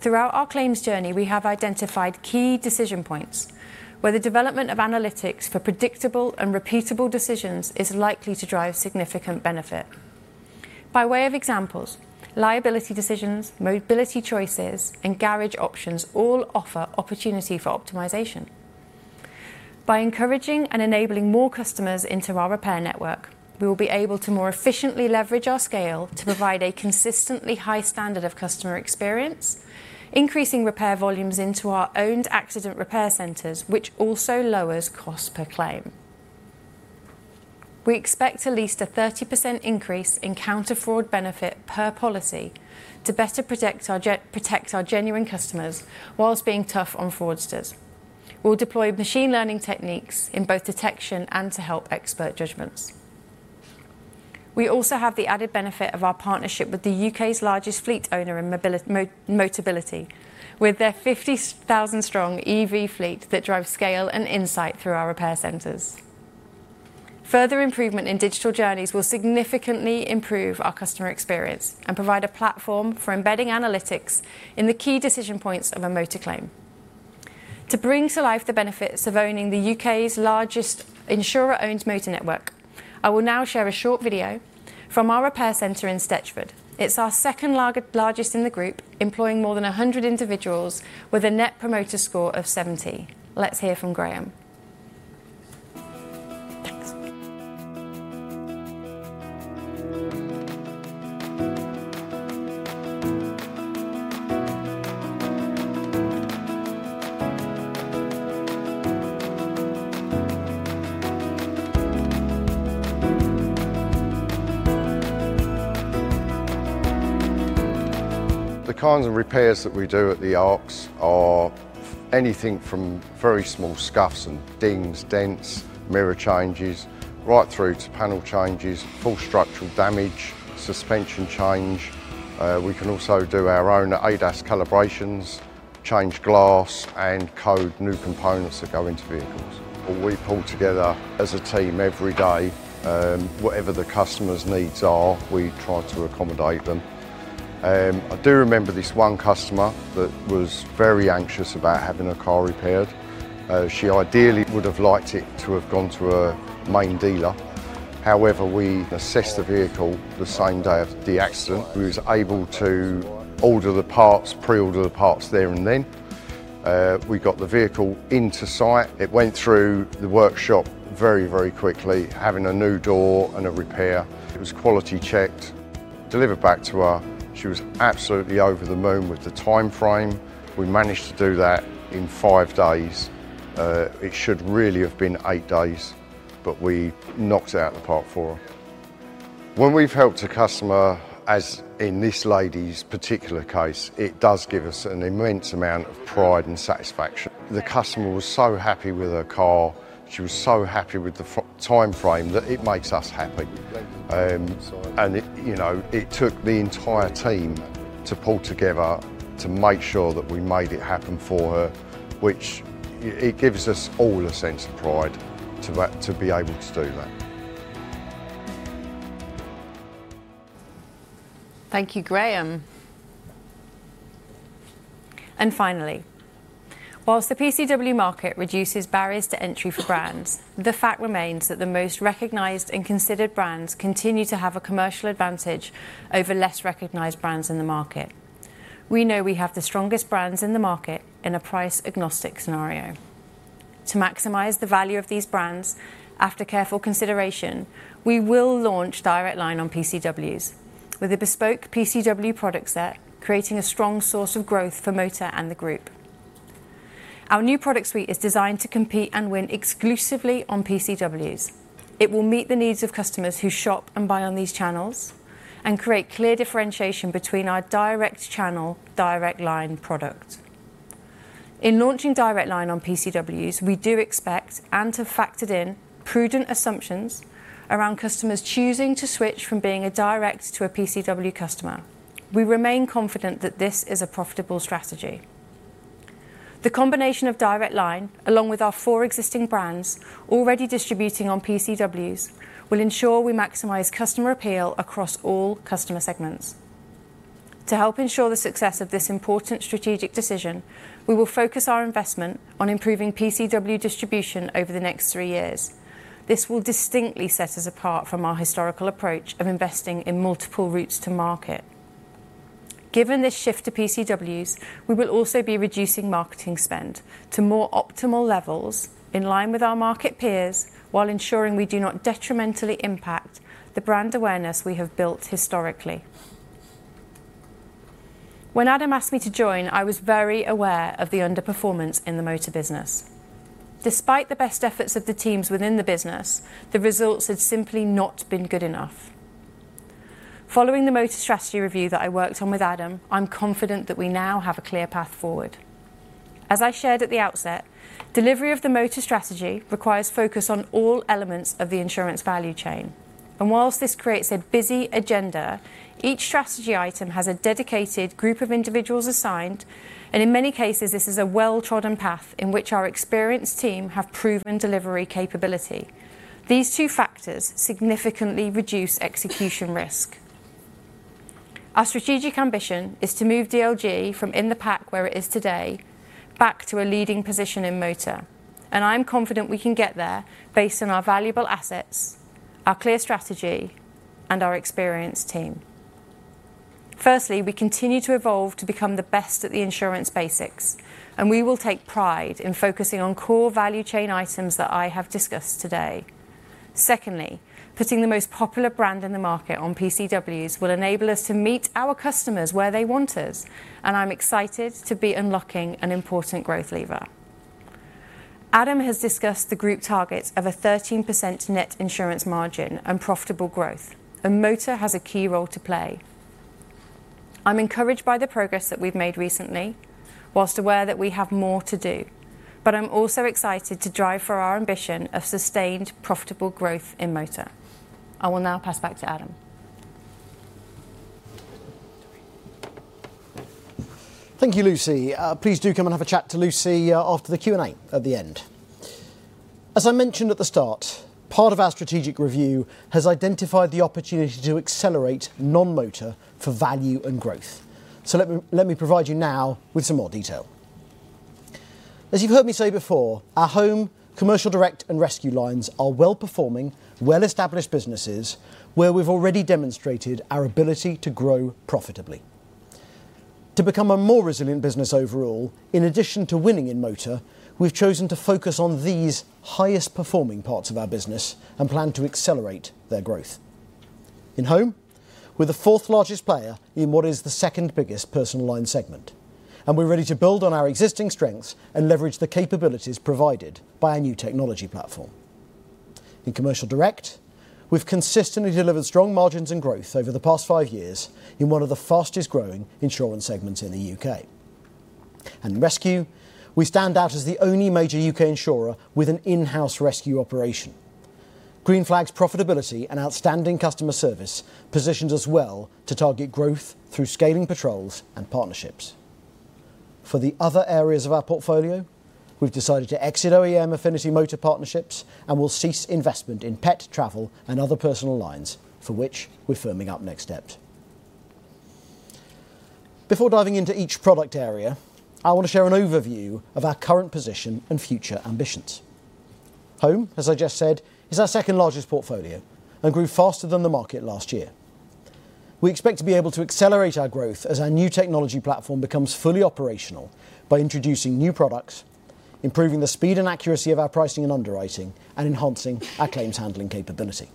Throughout our claims journey, we have identified key decision points where the development of analytics for predictable and repeatable decisions is likely to drive significant benefit. By way of examples, liability decisions, Motability choices, and garage options all offer opportunity for optimization. By encouraging and enabling more customers into our repair network, we will be able to more efficiently leverage our scale to provide a consistently high standard of customer experience, increasing repair volumes into our owned accident repair centers, which also lowers cost per claim. We expect at least a 30% increase in counter-fraud benefit per policy to better protect our genuine customers while being tough on fraudsters. We'll deploy machine learning techniques in both detection and to help expert judgments. We also have the added benefit of our partnership with the U.K.'s largest fleet owner in Motability, with their 50,000-strong EV fleet that drives scale and insight through our repair centers. Further improvement in digital journeys will significantly improve our customer experience and provide a platform for embedding analytics in the key decision points of a motor claim. To bring to life the benefits of owning the U.K.'s largest insurer-owned motor network, I will now share a short video from our repair center in Stechford. It's our second largest in the group, employing more than 100 individuals with a Net Promoter Score of 70. Let's hear from Graeme. Thanks. The kinds of repairs that we do at the ARCs are anything from very small scuffs and dings, dents, mirror changes, right through to panel changes, full structural damage, suspension change. We can also do our own ADAS calibrations, change glass, and code new components that go into vehicles. We pull together as a team every day. Whatever the customer's needs are, we try to accommodate them. I do remember this one customer that was very anxious about having her car repaired. She ideally would have liked it to have gone to a main dealer... However, we assessed the vehicle the same day of the accident. We was able to order the parts, pre-order the parts there and then. We got the vehicle into site. It went through the workshop very, very quickly, having a new door and a repair. It was quality checked, delivered back to her. She was absolutely over the moon with the timeframe. We managed to do that in 5 days. It should really have been 8 days, but we knocked out the part for her. When we've helped a customer, as in this lady's particular case, it does give us an immense amount of pride and satisfaction. The customer was so happy with her car, she was so happy with the timeframe, that it makes us happy. And it, you know, it took the entire team to pull together to make sure that we made it happen for her, which it gives us all a sense of pride to be able to do that. Thank you, Graeme. Finally, whilst the PCW market reduces barriers to entry for brands, the fact remains that the most recognized and considered brands continue to have a commercial advantage over less recognized brands in the market. We know we have the strongest brands in the market in a price-agnostic scenario. To maximize the value of these brands, after careful consideration, we will launch Direct Line on PCWs, with a bespoke PCW product set, creating a strong source of growth for motor and the group. Our new product suite is designed to compete and win exclusively on PCWs. It will meet the needs of customers who shop and buy on these channels and create clear differentiation between our direct channel Direct Line product. In launching Direct Line on PCWs, we do expect, and have factored in, prudent assumptions around customers choosing to switch from being a direct to a PCW customer. We remain confident that this is a profitable strategy. The combination of Direct Line, along with our four existing brands already distributing on PCWs, will ensure we maximize customer appeal across all customer segments. To help ensure the success of this important strategic decision, we will focus our investment on improving PCW distribution over the next three years. This will distinctly set us apart from our historical approach of investing in multiple routes to market. Given this shift to PCWs, we will also be reducing marketing spend to more optimal levels in line with our market peers, while ensuring we do not detrimentally impact the brand awareness we have built historically. When Adam asked me to join, I was very aware of the underperformance in the motor business. Despite the best efforts of the teams within the business, the results had simply not been good enough. Following the motor strategy review that I worked on with Adam, I'm confident that we now have a clear path forward. As I shared at the outset, delivery of the motor strategy requires focus on all elements of the insurance value chain, and while this creates a busy agenda, each strategy item has a dedicated group of individuals assigned, and in many cases, this is a well-trodden path in which our experienced team have proven delivery capability. These two factors significantly reduce execution risk. Our strategic ambition is to move DLG from in the pack where it is today, back to a leading position in motor, and I'm confident we can get there based on our valuable assets, our clear strategy, and our experienced team. Firstly, we continue to evolve to become the best at the insurance basics, and we will take pride in focusing on core value chain items that I have discussed today. Secondly, putting the most popular brand in the market on PCWs will enable us to meet our customers where they want us, and I'm excited to be unlocking an important growth lever. Adam has discussed the group target of a 13% net insurance margin and profitable growth, and motor has a key role to play. I'm encouraged by the progress that we've made recently, while aware that we have more to do, but I'm also excited to drive for our ambition of sustained, profitable growth in motor. I will now pass back to Adam. Thank you, Lucy. Please do come and have a chat to Lucy after the Q&A at the end. As I mentioned at the start, part of our strategic review has identified the opportunity to accelerate non-motor for value and growth. So let me, let me provide you now with some more detail. As you've heard me say before, our home, commercial direct, and rescue lines are well-performing, well-established businesses where we've already demonstrated our ability to grow profitably. To become a more resilient business overall, in addition to winning in motor, we've chosen to focus on these highest-performing parts of our business and plan to accelerate their growth. In home, we're the fourth largest player in what is the second biggest personal line segment, and we're ready to build on our existing strengths and leverage the capabilities provided by our new technology platform. In commercial direct, we've consistently delivered strong margins and growth over the past five years in one of the fastest-growing insurance segments in the U.K. And rescue, we stand out as the only major U.K. insurer with an in-house rescue operation. Green Flag's profitability and outstanding customer service positions us well to target growth through scaling patrols and partnerships. For the other areas of our portfolio, we've decided to exit OEM affinity motor partnerships, and we'll cease investment in pet, travel, and other personal lines, for which we're firming up next steps. Before diving into each product area, I want to share an overview of our current position and future ambitions. Home, as I just said, is our second largest portfolio and grew faster than the market last year. We expect to be able to accelerate our growth as our new technology platform becomes fully operational by introducing new products, improving the speed and accuracy of our pricing and underwriting, and enhancing our claims handling capability.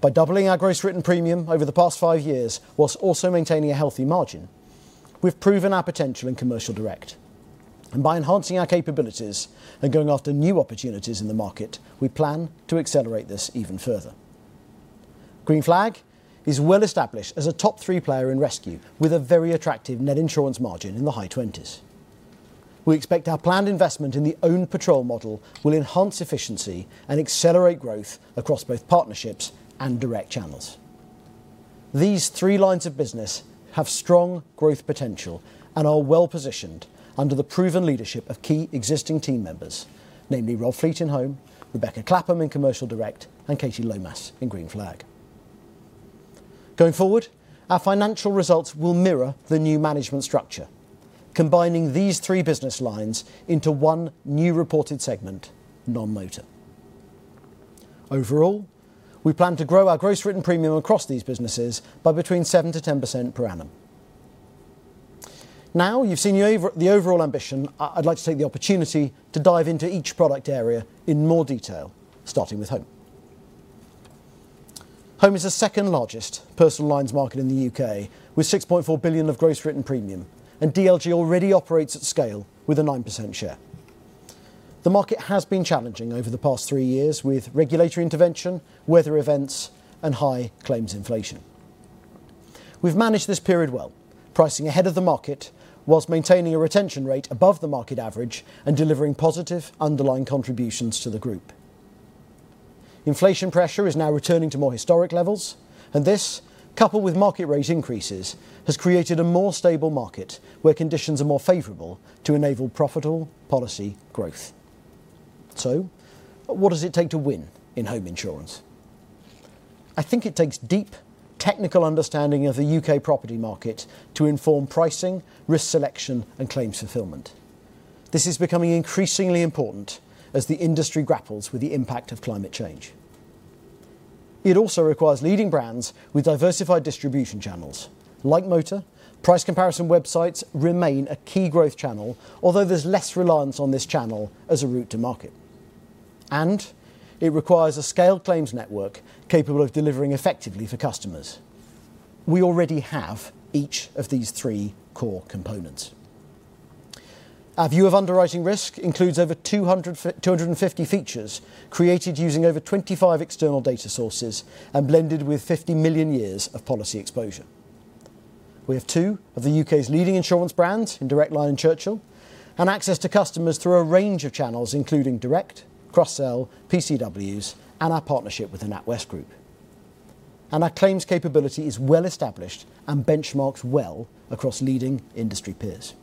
By doubling our gross written premium over the past 5 years, while also maintaining a healthy margin, we've proven our potential in commercial direct, and by enhancing our capabilities and going after new opportunities in the market, we plan to accelerate this even further. Green Flag is well established as a top-three player in rescue, with a very attractive net insurance margin in the high 20s. We expect our planned investment in the owned patrol model will enhance efficiency and accelerate growth across both partnerships and direct channels. These three lines of business have strong growth potential and are well-positioned under the proven leadership of key existing team members, namely Rob Fleet in home, Rebecca Clapham in commercial direct, and Katie Lomas in Green Flag. Going forward, our financial results will mirror the new management structure, combining these three business lines into one new reported segment: non-motor. Overall, we plan to grow our gross written premium across these businesses by between 7%-10% per annum. Now you've seen the overall ambition, I'd like to take the opportunity to dive into each product area in more detail, starting with home. Home is the second largest personal lines market in the U.K., with 6.4 billion of gross written premium, and DLG already operates at scale with a 9% share. The market has been challenging over the past three years, with regulatory intervention, weather events, and high claims inflation. We've managed this period well, pricing ahead of the market while maintaining a retention rate above the market average and delivering positive underlying contributions to the group. Inflation pressure is now returning to more historic levels, and this, coupled with market rate increases, has created a more stable market where conditions are more favorable to enable profitable policy growth. So what does it take to win in home insurance? I think it takes deep technical understanding of the U.K. property market to inform pricing, risk selection, and claims fulfillment. This is becoming increasingly important as the industry grapples with the impact of climate change. It also requires leading brands with diversified distribution channels. Like motor, price comparison websites remain a key growth channel, although there's less reliance on this channel as a route to market. It requires a scaled claims network capable of delivering effectively for customers. We already have each of these three core components. Our view of underwriting risk includes over 250 features, created using over 25 external data sources and blended with 50 million years of policy exposure. We have two of the U.K.'s leading insurance brands in Direct Line and Churchill, and access to customers through a range of channels, including direct, cross-sell, PCWs, and our partnership with the NatWest Group. Our claims capability is well established and benchmarks well across leading industry peers.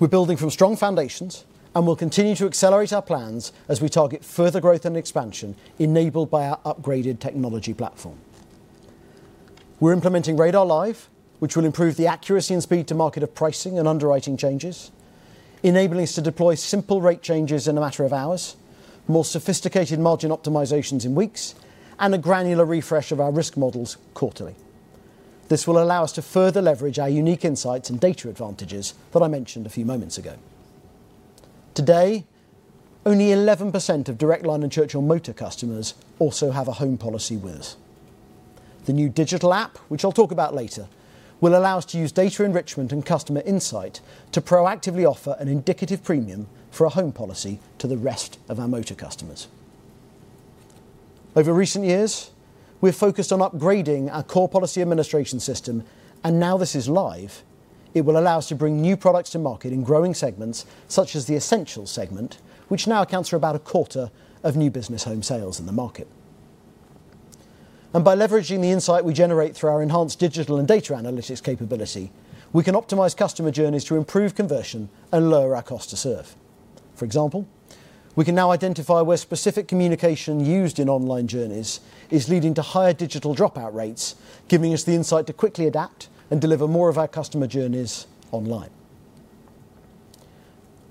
We're building from strong foundations, and we'll continue to accelerate our plans as we target further growth and expansion, enabled by our upgraded technology platform. We're implementing Radar Live, which will improve the accuracy and speed to market of pricing and underwriting changes, enabling us to deploy simple rate changes in a matter of hours, more sophisticated margin optimizations in weeks, and a granular refresh of our risk models quarterly. This will allow us to further leverage our unique insights and data advantages that I mentioned a few moments ago. Today, only 11% of Direct Line and Churchill motor customers also have a home policy with us. The new digital app, which I'll talk about later, will allow us to use data enrichment and customer insight to proactively offer an indicative premium for a home policy to the rest of our motor customers. Over recent years, we've focused on upgrading our core policy administration system, and now this is live. It will allow us to bring new products to market in growing segments such as the Essentials segment, which now accounts for about a quarter of new business home sales in the market. By leveraging the insight we generate through our enhanced digital and data analytics capability, we can optimize customer journeys to improve conversion and lower our cost to serve. For example, we can now identify where specific communication used in online journeys is leading to higher digital dropout rates, giving us the insight to quickly adapt and deliver more of our customer journeys online.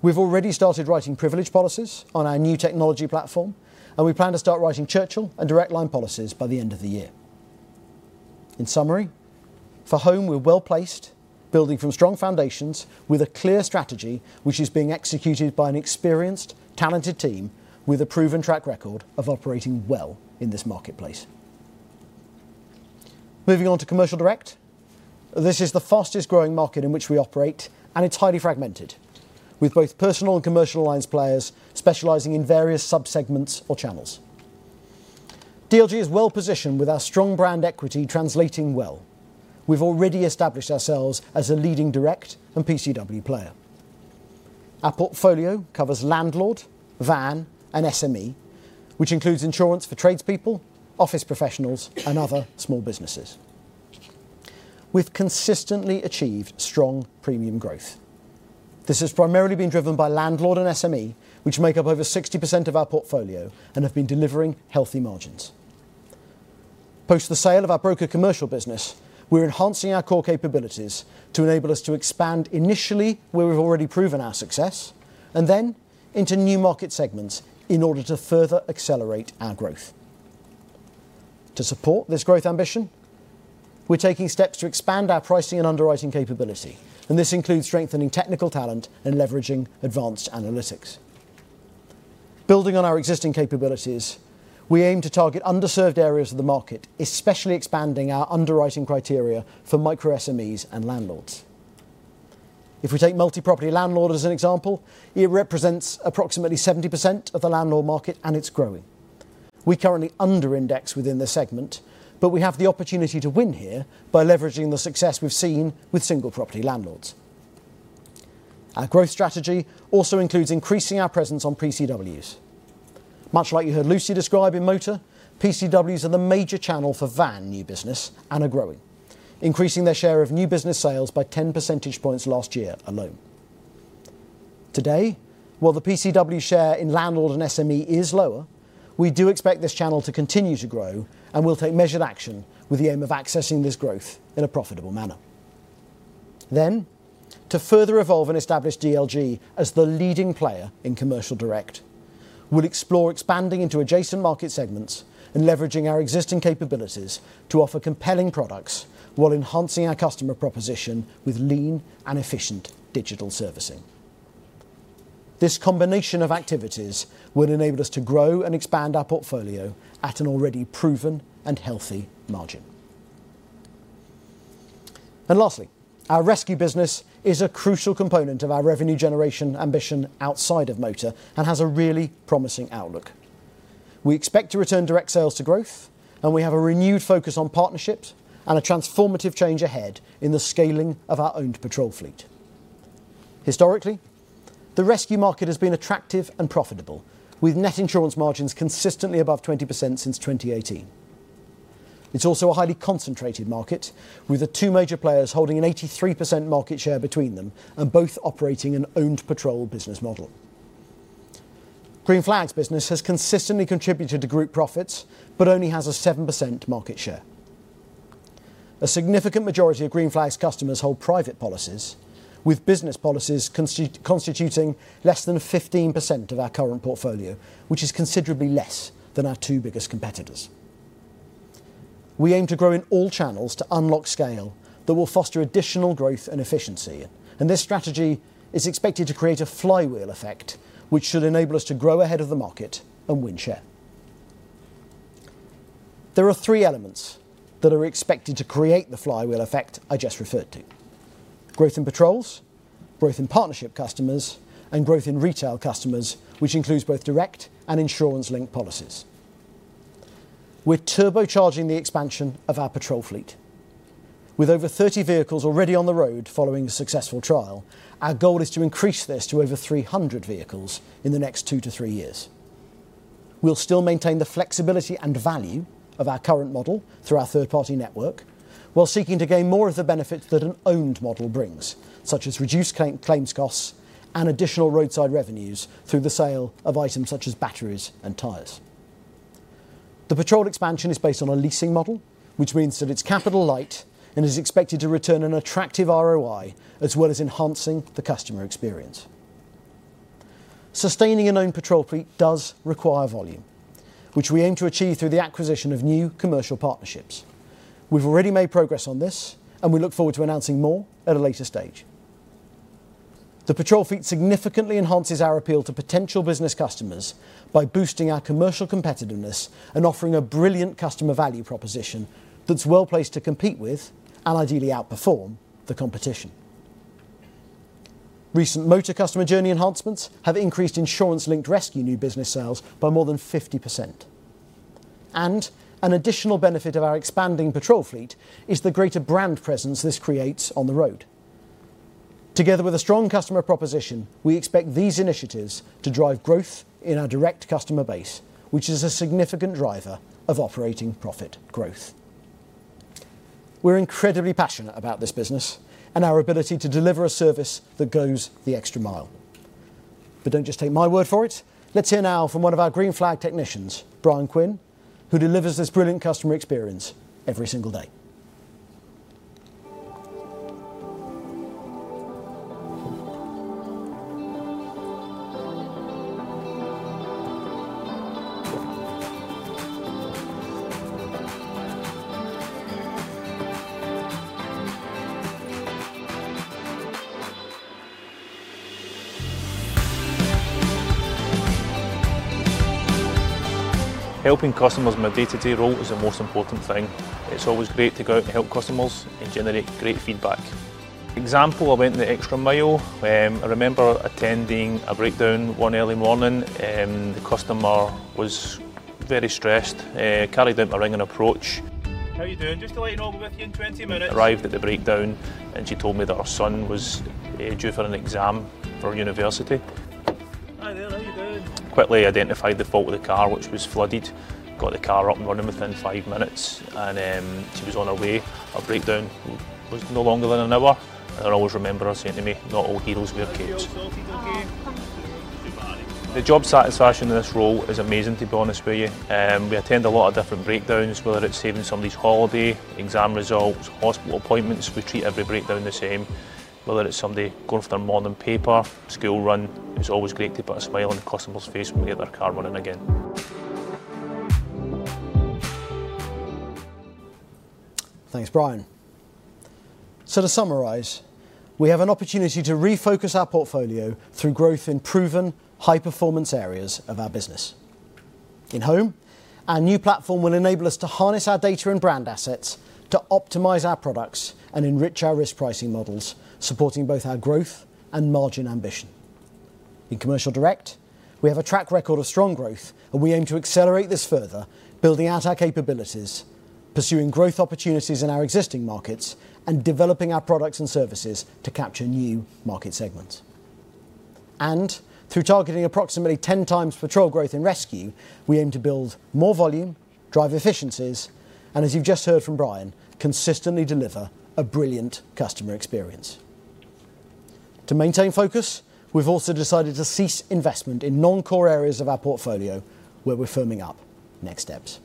We've already started writing Privilege policies on our new technology platform, and we plan to start writing Churchill and Direct Line policies by the end of the year. In summary, for home, we're well-placed, building from strong foundations with a clear strategy, which is being executed by an experienced, talented team with a proven track record of operating well in this marketplace. Moving on to commercial direct. This is the fastest-growing market in which we operate, and it's highly fragmented, with both personal and commercial lines players specializing in various subsegments or channels. DLG is well-positioned, with our strong brand equity translating well. We've already established ourselves as a leading direct and PCW player. Our portfolio covers landlord, van, and SME, which includes insurance for tradespeople, office professionals, and other small businesses. We've consistently achieved strong premium growth. This has primarily been driven by landlord and SME, which make up over 60% of our portfolio and have been delivering healthy margins. Post the sale of our broker commercial business, we're enhancing our core capabilities to enable us to expand initially where we've already proven our success, and then into new market segments in order to further accelerate our growth. To support this growth ambition, we're taking steps to expand our pricing and underwriting capability, and this includes strengthening technical talent and leveraging advanced analytics. Building on our existing capabilities, we aim to target underserved areas of the market, especially expanding our underwriting criteria for micro SMEs and landlords. If we take multi-property landlord as an example, it represents approximately 70% of the landlord market, and it's growing. We currently under index within this segment, but we have the opportunity to win here by leveraging the success we've seen with single property landlords. Our growth strategy also includes increasing our presence on PCWs. Much like you heard Lucy describe in motor, PCWs are the major channel for van new business and are growing, increasing their share of new business sales by 10 percentage points last year alone. Today, while the PCW share in landlord and SME is lower, we do expect this channel to continue to grow, and we'll take measured action with the aim of accessing this growth in a profitable manner. Then, to further evolve and establish DLG as the leading player in commercial direct, we'll explore expanding into adjacent market segments and leveraging our existing capabilities to offer compelling products while enhancing our customer proposition with lean and efficient digital servicing. This combination of activities will enable us to grow and expand our portfolio at an already proven and healthy margin. And lastly, our rescue business is a crucial component of our revenue generation ambition outside of motor and has a really promising outlook. We expect to return direct sales to growth, and we have a renewed focus on partnerships and a transformative change ahead in the scaling of our owned patrol fleet. Historically, the rescue market has been attractive and profitable, with net insurance margins consistently above 20% since 2018. It's also a highly concentrated market, with the two major players holding an 83% market share between them and both operating an owned patrol business model. Green Flag's business has consistently contributed to group profits but only has a 7% market share. A significant majority of Green Flag's customers hold private policies, with business policies constituting less than 15% of our current portfolio, which is considerably less than our two biggest competitors. We aim to grow in all channels to unlock scale that will foster additional growth and efficiency, and this strategy is expected to create a flywheel effect, which should enable us to grow ahead of the market and win share. There are three elements that are expected to create the flywheel effect I just referred to: growth in patrols, growth in partnership customers, and growth in retail customers, which includes both direct and insurance-linked policies. We're turbocharging the expansion of our patrol fleet. With over 30 vehicles already on the road following a successful trial, our goal is to increase this to over 300 vehicles in the next 2-3 years. We'll still maintain the flexibility and value of our current model through our third-party network, while seeking to gain more of the benefits that an owned model brings, such as reduced claims costs and additional roadside revenues through the sale of items such as batteries and tires. The patrol expansion is based on a leasing model, which means that it's capital light and is expected to return an attractive ROI, as well as enhancing the customer experience. Sustaining an owned patrol fleet does require volume, which we aim to achieve through the acquisition of new commercial partnerships. We've already made progress on this, and we look forward to announcing more at a later stage. The patrol fleet significantly enhances our appeal to potential business customers by boosting our commercial competitiveness and offering a brilliant customer value proposition that's well-placed to compete with, and ideally outperform, the competition. Recent motor customer journey enhancements have increased insurance-linked rescue new business sales by more than 50%. An additional benefit of our expanding patrol fleet is the greater brand presence this creates on the road. Together with a strong customer proposition, we expect these initiatives to drive growth in our direct customer base, which is a significant driver of operating profit growth. We're incredibly passionate about this business and our ability to deliver a service that goes the extra mile. But don't just take my word for it. Let's hear now from one of our Green Flag technicians, Brian Quinn, who delivers this brilliant customer experience every single day. Helping customers in my day-to-day role is the most important thing. It's always great to go out and help customers and generate great feedback. Example, I went the extra mile, I remember attending a breakdown one early morning, the customer was very stressed, carried out my ring and approach. How are you doing? Just to let you know, I'll be with you in 20 minutes. Arrived at the breakdown, and she told me that her son was due for an exam for university. Quickly identified the fault with the car, which was flooded, got the car up and running within 5 minutes, and then she was on her way. Her breakdown was no longer than 1 hour, and I'll always remember her saying to me, "Not all heroes wear capes. Oh, thank you. The job satisfaction in this role is amazing, to be honest with you. We attend a lot of different breakdowns, whether it's saving somebody's holiday, exam results, hospital appointments. We treat every breakdown the same, whether it's somebody going for their morning paper, school run. It's always great to put a smile on the customer's face when we get their car running again. Thanks, Brian. So to summarize, we have an opportunity to refocus our portfolio through growth in proven high-performance areas of our business. In home, our new platform will enable us to harness our data and brand assets to optimize our products and enrich our risk pricing models, supporting both our growth and margin ambition. In commercial direct, we have a track record of strong growth, and we aim to accelerate this further, building out our capabilities, pursuing growth opportunities in our existing markets, and developing our products and services to capture new market segments. And through targeting approximately 10 times patrol growth in rescue, we aim to build more volume, drive efficiencies, and as you've just heard from Brian, consistently deliver a brilliant customer experience. To maintain focus, we've also decided to cease investment in non-core areas of our portfolio, where we're firming up next steps.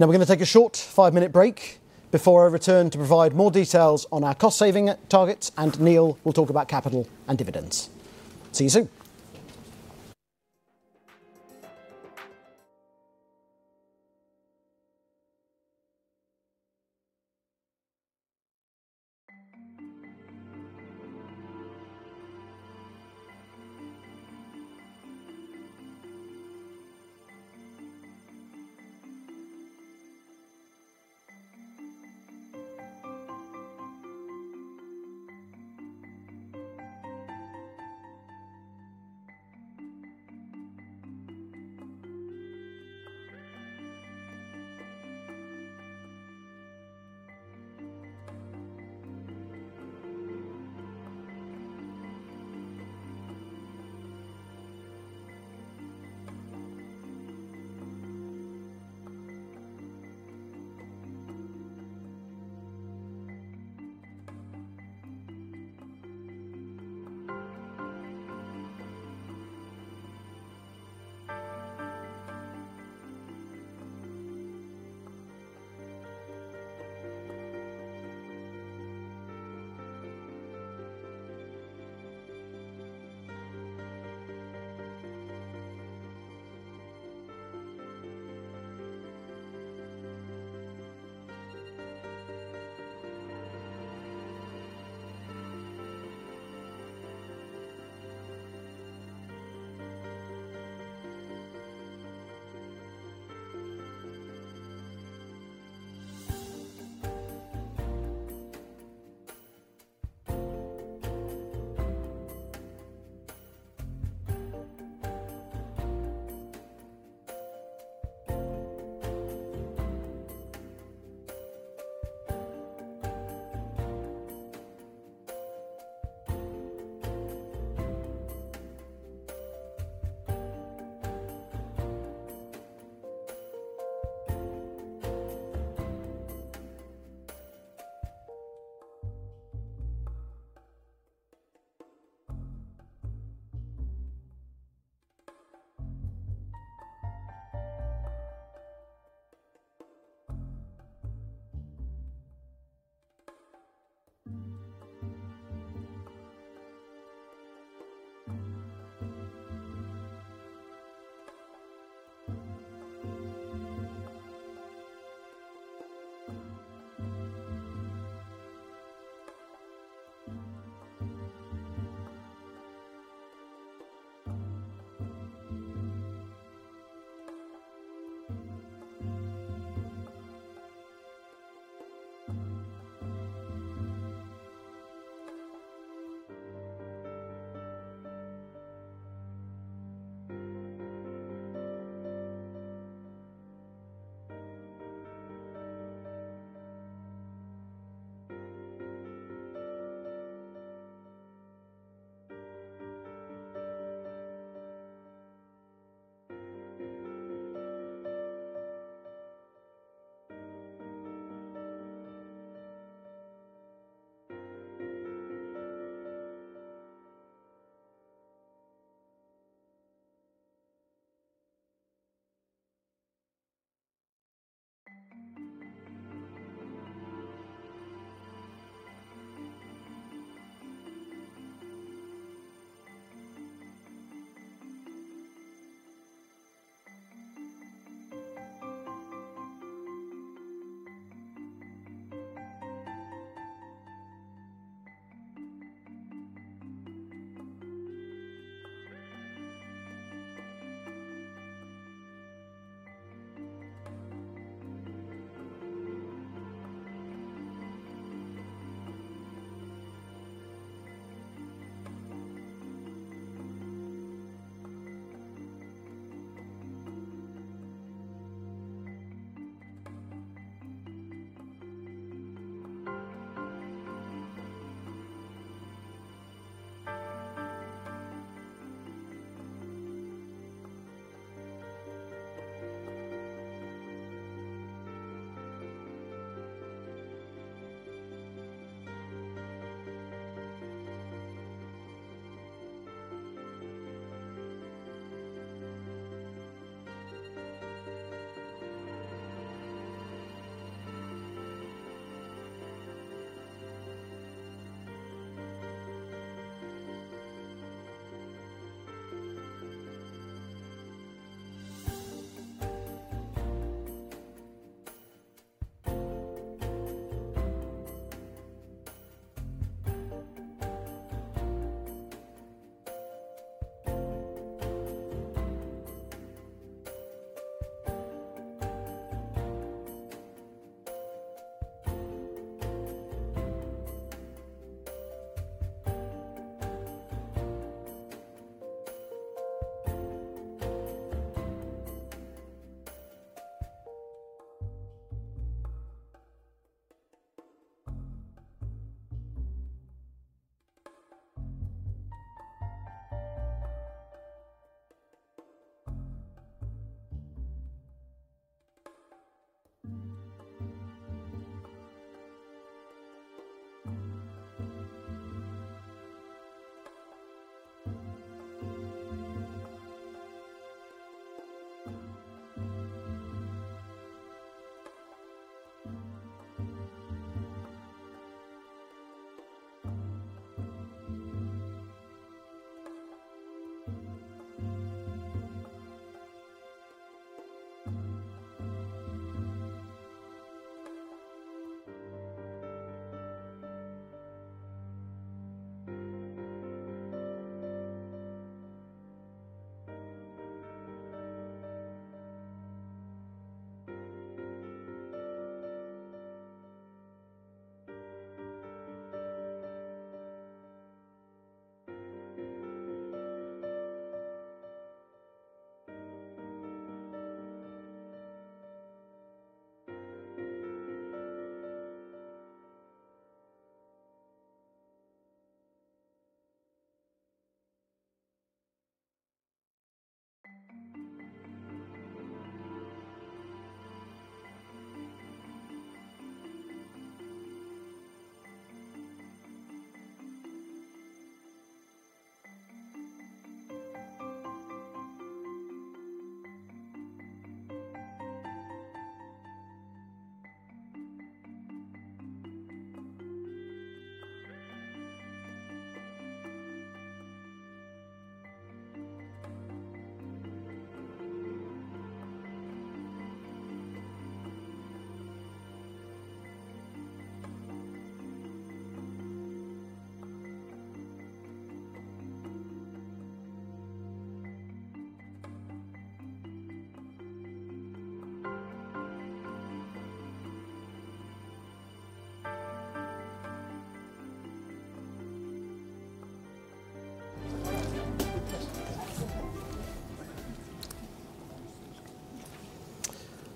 Now, we're going to take a short five-minute break before I return to provide more details on our cost-saving targets, and Neil will talk about capital and dividends. See you soon!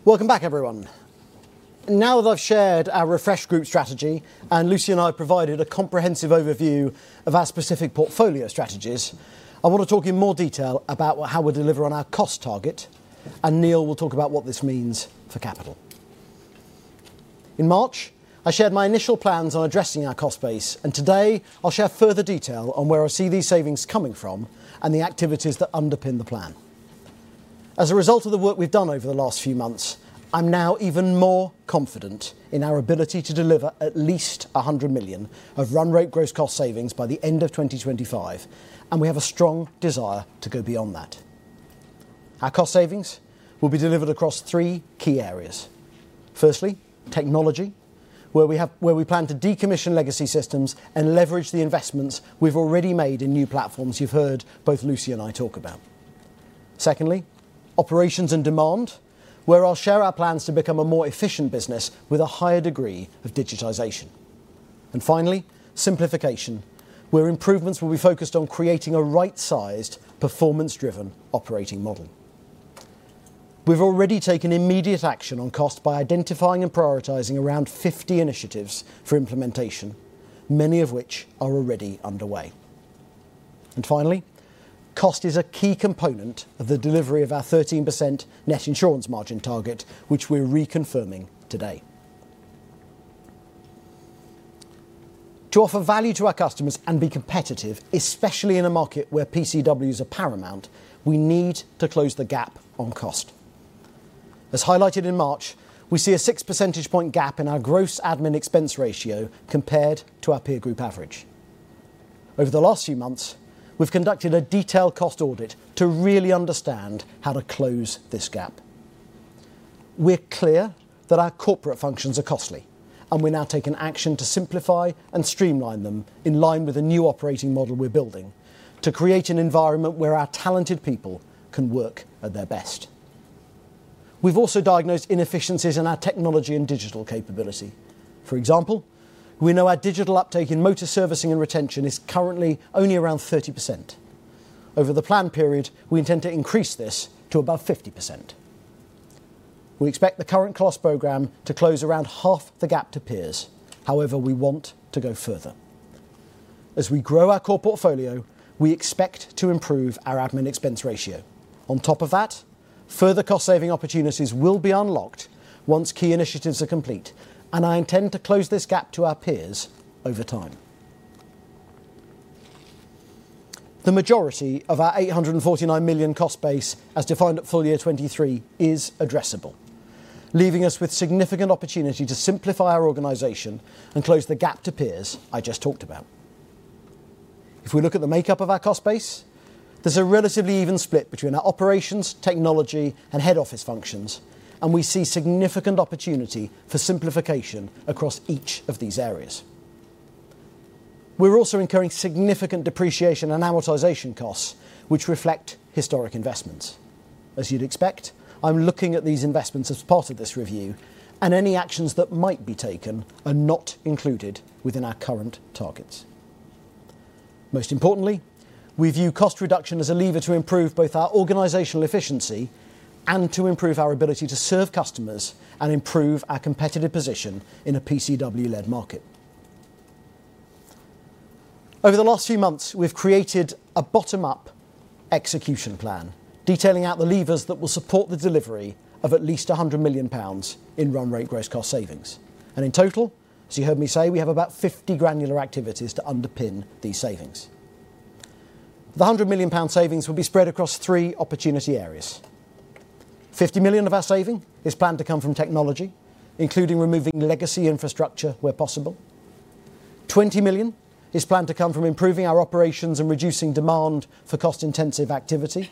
Welcome back, everyone. Now that I've shared our refreshed group strategy and Lucy and I have provided a comprehensive overview of our specific portfolio strategies, I want to talk in more detail about how we deliver on our cost target, and Neil will talk about what this means for capital. In March, I shared my initial plans on addressing our cost base, and today I'll share further detail on where I see these savings coming from and the activities that underpin the plan. As a result of the work we've done over the last few months, I'm now even more confident in our ability to deliver at least 100 million of run rate gross cost savings by the end of 2025, and we have a strong desire to go beyond that. Our cost savings will be delivered across three key areas. Firstly, technology, where we plan to decommission legacy systems and leverage the investments we've already made in new platforms you've heard both Lucy and I talk about. Secondly, operations and demand, where I'll share our plans to become a more efficient business with a higher degree of digitization. And finally, simplification, where improvements will be focused on creating a right-sized, performance-driven operating model. We've already taken immediate action on cost by identifying and prioritizing around 50 initiatives for implementation, many of which are already underway. Finally, cost is a key component of the delivery of our 13% net insurance margin target, which we're reconfirming today. To offer value to our customers and be competitive, especially in a market where PCWs are paramount, we need to close the gap on cost. As highlighted in March, we see a 6 percentage point gap in our gross admin expense ratio compared to our peer group average. Over the last few months, we've conducted a detailed cost audit to really understand how to close this gap. We're clear that our corporate functions are costly, and we're now taking action to simplify and streamline them in line with the new operating model we're building to create an environment where our talented people can work at their best. We've also diagnosed inefficiencies in our technology and digital capability. For example, we know our digital uptake in motor servicing and retention is currently only around 30%. Over the plan period, we intend to increase this to above 50%... We expect the current cost program to close around half the gap to peers. However, we want to go further. As we grow our core portfolio, we expect to improve our admin expense ratio. On top of that, further cost-saving opportunities will be unlocked once key initiatives are complete, and I intend to close this gap to our peers over time. The majority of our 849 million cost base, as defined at full year 2023, is addressable, leaving us with significant opportunity to simplify our organization and close the gap to peers I just talked about. If we look at the makeup of our cost base, there's a relatively even split between our operations, technology, and head office functions, and we see significant opportunity for simplification across each of these areas. We're also incurring significant depreciation and amortization costs, which reflect historic investments. As you'd expect, I'm looking at these investments as part of this review, and any actions that might be taken are not included within our current targets. Most importantly, we view cost reduction as a lever to improve both our organizational efficiency and to improve our ability to serve customers and improve our competitive position in a PCW-led market. Over the last few months, we've created a bottom-up execution plan, detailing out the levers that will support the delivery of at least 100 million pounds in run rate gross cost savings. In total, as you heard me say, we have about 50 granular activities to underpin these savings. The 100 million pound savings will be spread across three opportunity areas. 50 million of our saving is planned to come from technology, including removing legacy infrastructure where possible. 20 million is planned to come from improving our operations and reducing demand for cost-intensive activity.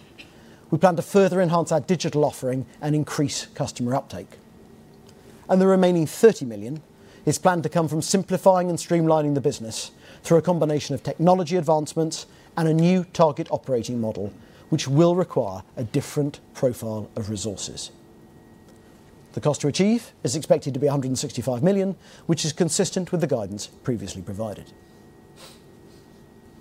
We plan to further enhance our digital offering and increase customer uptake. And the remaining 30 million is planned to come from simplifying and streamlining the business through a combination of technology advancements and a new target operating model, which will require a different profile of resources. The cost to achieve is expected to be 165 million, which is consistent with the guidance previously provided.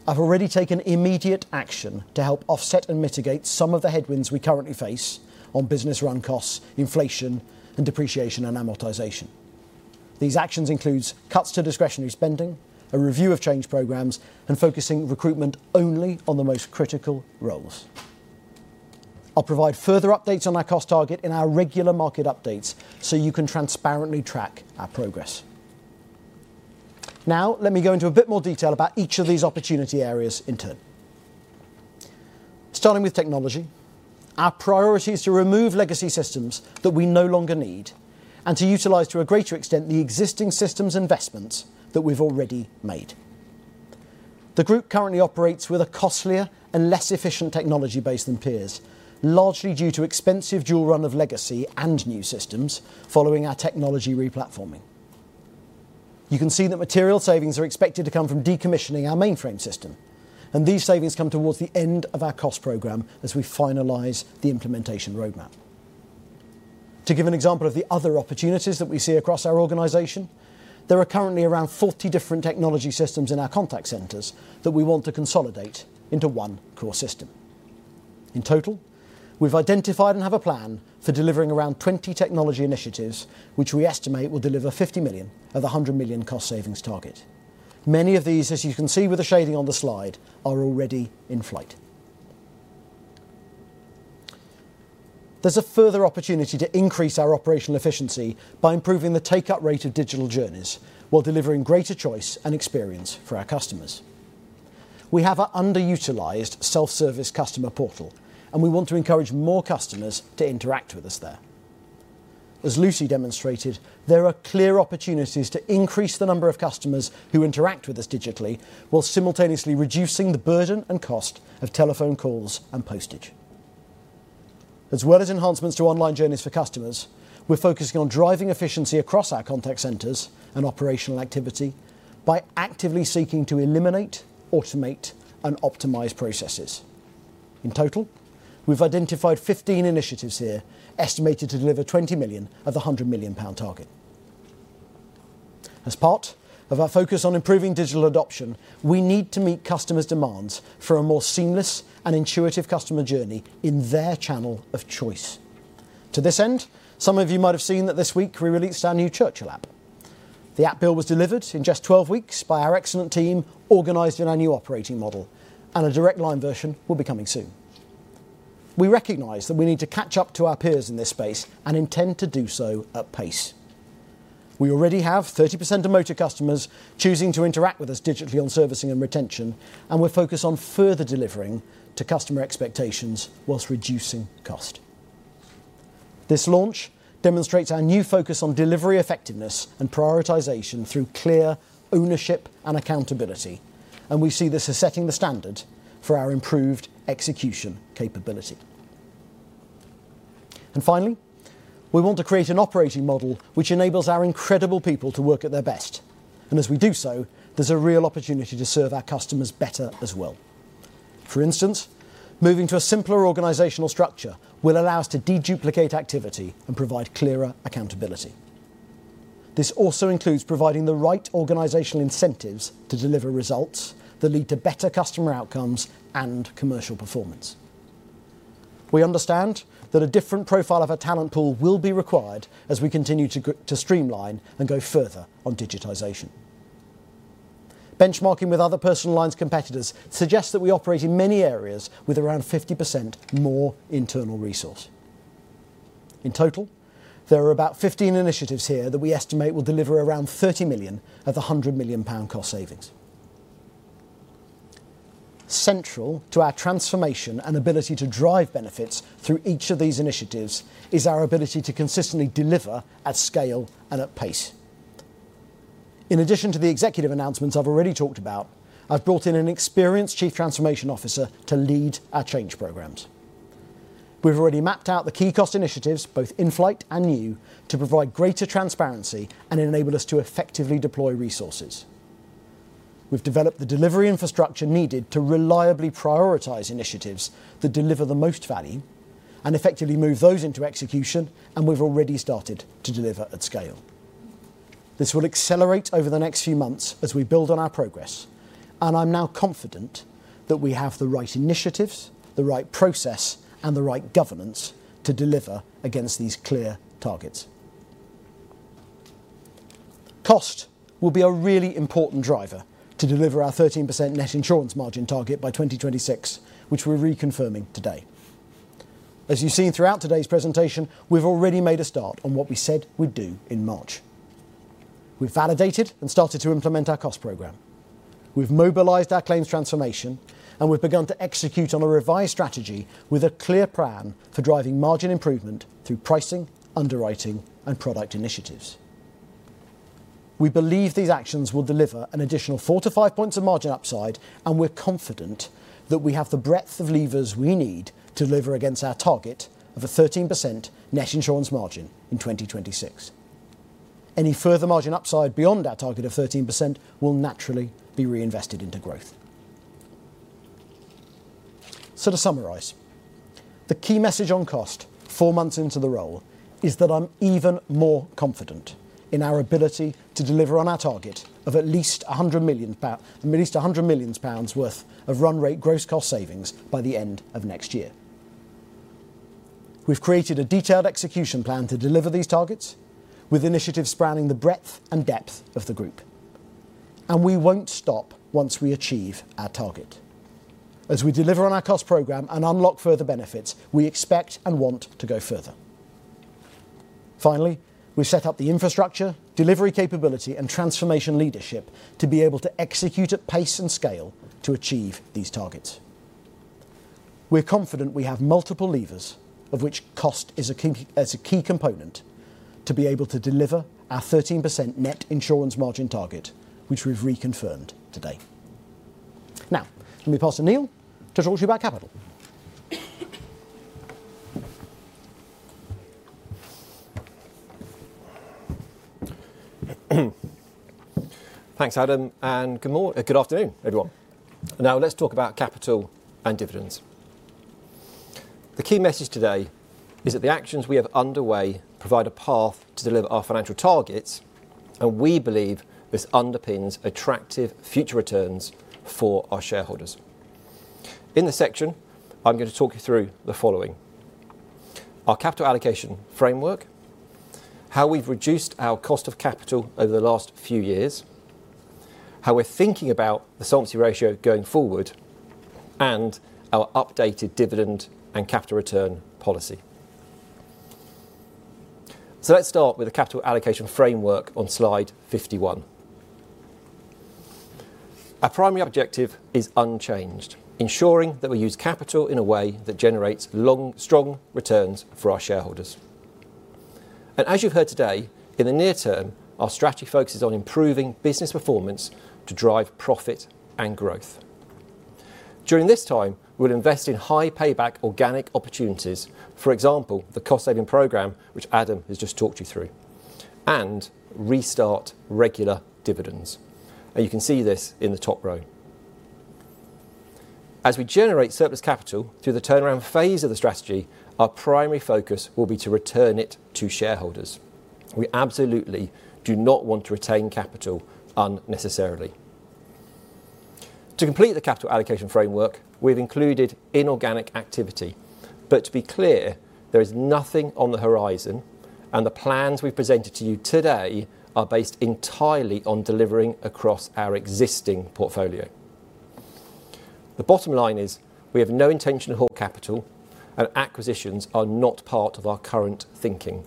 I've already taken immediate action to help offset and mitigate some of the headwinds we currently face on business run costs, inflation, and depreciation and amortization. These actions includes cuts to discretionary spending, a review of change programs, and focusing recruitment only on the most critical roles. I'll provide further updates on our cost target in our regular market updates so you can transparently track our progress. Now, let me go into a bit more detail about each of these opportunity areas in turn. Starting with technology, our priority is to remove legacy systems that we no longer need and to utilize, to a greater extent, the existing systems investments that we've already made. The group currently operates with a costlier and less efficient technology base than peers, largely due to expensive dual run of legacy and new systems following our technology replatforming. You can see that material savings are expected to come from decommissioning our mainframe system, and these savings come towards the end of our cost program as we finalize the implementation roadmap. To give an example of the other opportunities that we see across our organization, there are currently around 40 different technology systems in our contact centers that we want to consolidate into one core system. In total, we've identified and have a plan for delivering around 20 technology initiatives, which we estimate will deliver 50 million of the 100 million cost savings target. Many of these, as you can see with the shading on the slide, are already in flight. There's a further opportunity to increase our operational efficiency by improving the take-up rate of digital journeys while delivering greater choice and experience for our customers. We have an underutilized self-service customer portal, and we want to encourage more customers to interact with us there. As Lucy demonstrated, there are clear opportunities to increase the number of customers who interact with us digitally while simultaneously reducing the burden and cost of telephone calls and postage. As well as enhancements to online journeys for customers, we're focusing on driving efficiency across our contact centers and operational activity by actively seeking to eliminate, automate, and optimize processes. In total, we've identified 15 initiatives here, estimated to deliver 20 million of the 100 million pound target. As part of our focus on improving digital adoption, we need to meet customers' demands for a more seamless and intuitive customer journey in their channel of choice. To this end, some of you might have seen that this week we released our new Churchill app. The app build was delivered in just 12 weeks by our excellent team, organized in our new operating model, and a Direct Line version will be coming soon. We recognize that we need to catch up to our peers in this space and intend to do so at pace. We already have 30% of motor customers choosing to interact with us digitally on servicing and retention, and we're focused on further delivering to customer expectations while reducing cost. This launch demonstrates our new focus on delivery effectiveness and prioritization through clear ownership and accountability, and we see this as setting the standard for our improved execution capability. And finally, we want to create an operating model which enables our incredible people to work at their best, and as we do so, there's a real opportunity to serve our customers better as well. For instance, moving to a simpler organizational structure will allow us to deduplicate activity and provide clearer accountability.... This also includes providing the right organizational incentives to deliver results that lead to better customer outcomes and commercial performance. We understand that a different profile of our talent pool will be required as we continue to streamline and go further on digitization. Benchmarking with other personal lines competitors suggests that we operate in many areas with around 50% more internal resource. In total, there are about 15 initiatives here that we estimate will deliver around 30 million of the 100 million pound cost savings. Central to our transformation and ability to drive benefits through each of these initiatives is our ability to consistently deliver at scale and at pace. In addition to the executive announcements I've already talked about, I've brought in an experienced Chief Transformation Officer to lead our change programs. We've already mapped out the key cost initiatives, both in flight and new, to provide greater transparency and enable us to effectively deploy resources. We've developed the delivery infrastructure needed to reliably prioritize initiatives that deliver the most value and effectively move those into execution, and we've already started to deliver at scale. This will accelerate over the next few months as we build on our progress, and I'm now confident that we have the right initiatives, the right process, and the right governance to deliver against these clear targets. Cost will be a really important driver to deliver our 13% net insurance margin target by 2026, which we're reconfirming today. As you've seen throughout today's presentation, we've already made a start on what we said we'd do in March. We've validated and started to implement our cost program. We've mobilized our claims transformation, and we've begun to execute on a revised strategy with a clear plan for driving margin improvement through pricing, underwriting, and product initiatives. We believe these actions will deliver an additional 4-5 points of margin upside, and we're confident that we have the breadth of levers we need to deliver against our target of a 13% net insurance margin in 2026. Any further margin upside beyond our target of 13% will naturally be reinvested into growth. So to summarize, the key message on cost, four months into the role, is that I'm even more confident in our ability to deliver on our target of at least 100 million pounds worth of run rate gross cost savings by the end of next year. We've created a detailed execution plan to deliver these targets, with initiatives spanning the breadth and depth of the group. We won't stop once we achieve our target. As we deliver on our cost program and unlock further benefits, we expect and want to go further. Finally, we've set up the infrastructure, delivery capability, and transformation leadership to be able to execute at pace and scale to achieve these targets. We're confident we have multiple levers, of which cost is a king... is a key component, to be able to deliver our 13% net insurance margin target, which we've reconfirmed today. Now, let me pass to Neil to talk to you about capital. Thanks, Adam, and good afternoon, everyone. Now let's talk about capital and dividends. The key message today is that the actions we have underway provide a path to deliver our financial targets, and we believe this underpins attractive future returns for our shareholders. In this section, I'm gonna talk you through the following: our capital allocation framework, how we've reduced our cost of capital over the last few years, how we're thinking about the solvency ratio going forward, and our updated dividend and capital return policy. So let's start with the capital allocation framework on slide 51. Our primary objective is unchanged, ensuring that we use capital in a way that generates long, strong returns for our shareholders. And as you've heard today, in the near term, our strategy focuses on improving business performance to drive profit and growth. During this time, we'll invest in high payback organic opportunities, for example, the cost-saving program, which Adam has just talked you through, and restart regular dividends. You can see this in the top row. As we generate surplus capital through the turnaround phase of the strategy, our primary focus will be to return it to shareholders. We absolutely do not want to retain capital unnecessarily. To complete the capital allocation framework, we've included inorganic activity. To be clear, there is nothing on the horizon, and the plans we've presented to you today are based entirely on delivering across our existing portfolio. The bottom line is, we have no intention to hoard capital, and acquisitions are not part of our current thinking.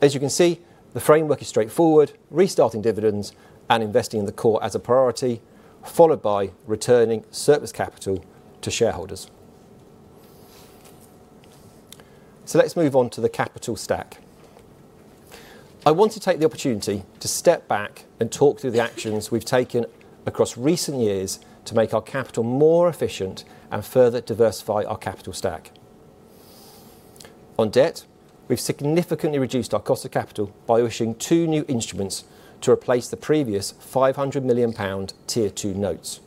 As you can see, the framework is straightforward, restarting dividends and investing in the core as a priority, followed by returning surplus capital to shareholders. So let's move on to the capital stack. I want to take the opportunity to step back and talk through the actions we've taken across recent years to make our capital more efficient and further diversify our capital stack. On debt, we've significantly reduced our cost of capital by issuing two new instruments to replace the previous 500 million pound Tier 2 notes.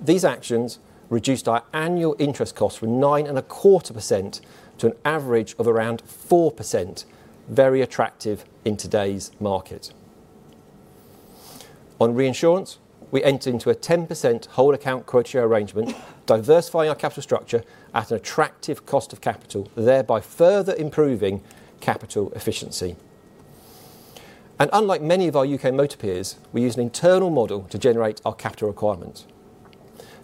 These actions reduced our annual interest costs from 9.25% to an average of around 4%, very attractive in today's market. On reinsurance, we entered into a 10% whole account quota share arrangement, diversifying our capital structure at an attractive cost of capital, thereby further improving capital efficiency. And unlike many of our U.K. motor peers, we use an internal model to generate our capital requirements.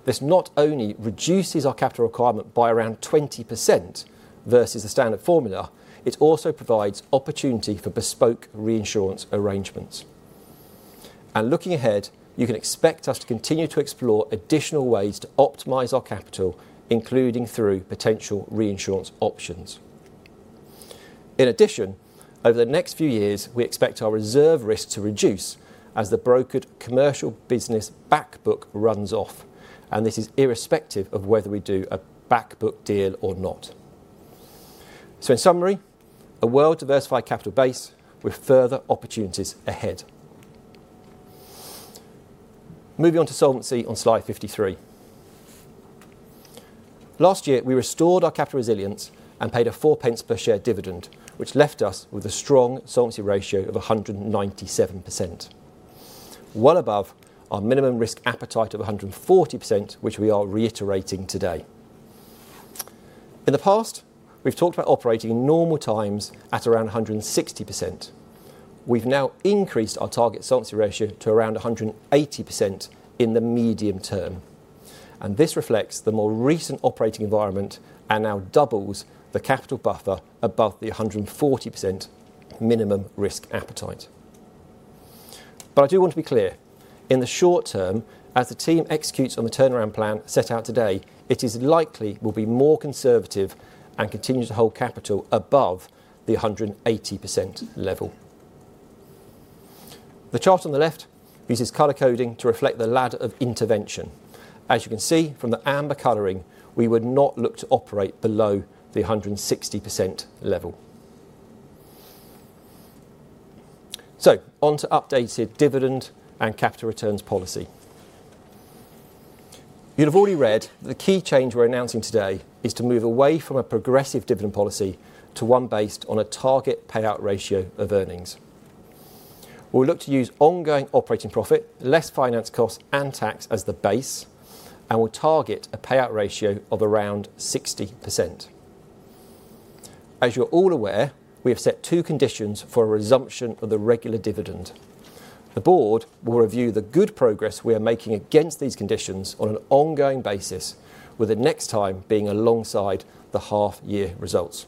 This not only reduces our capital requirement by around 20% versus the standard formula, it also provides opportunity for bespoke reinsurance arrangements. And looking ahead, you can expect us to continue to explore additional ways to optimize our capital, including through potential reinsurance options. In addition, over the next few years, we expect our reserve risk to reduce as the brokered commercial business back book runs off, and this is irrespective of whether we do a back book deal or not. So in summary, a well-diversified capital base with further opportunities ahead. Moving on to solvency on slide 53. Last year, we restored our capital resilience and paid a 0.04 per share dividend, which left us with a strong solvency ratio of 197%, well above our minimum risk appetite of 140%, which we are reiterating today. In the past, we've talked about operating in normal times at around 160%. We've now increased our target solvency ratio to around 180% in the medium term, and this reflects the more recent operating environment and now doubles the capital buffer above the 140% minimum risk appetite. But I do want to be clear, in the short term, as the team executes on the turnaround plan set out today, it is likely we'll be more conservative and continue to hold capital above the 180% level. The chart on the left uses color coding to reflect the ladder of intervention. As you can see from the amber coloring, we would not look to operate below the 160% level. So on to updated dividend and capital returns policy. You'll have already read the key change we're announcing today is to move away from a progressive dividend policy to one based on a target payout ratio of earnings. We'll look to use ongoing operating profit, less finance costs and tax as the base, and we'll target a payout ratio of around 60%. As you're all aware, we have set two conditions for a resumption of the regular dividend. The board will review the good progress we are making against these conditions on an ongoing basis, with the next time being alongside the half year results.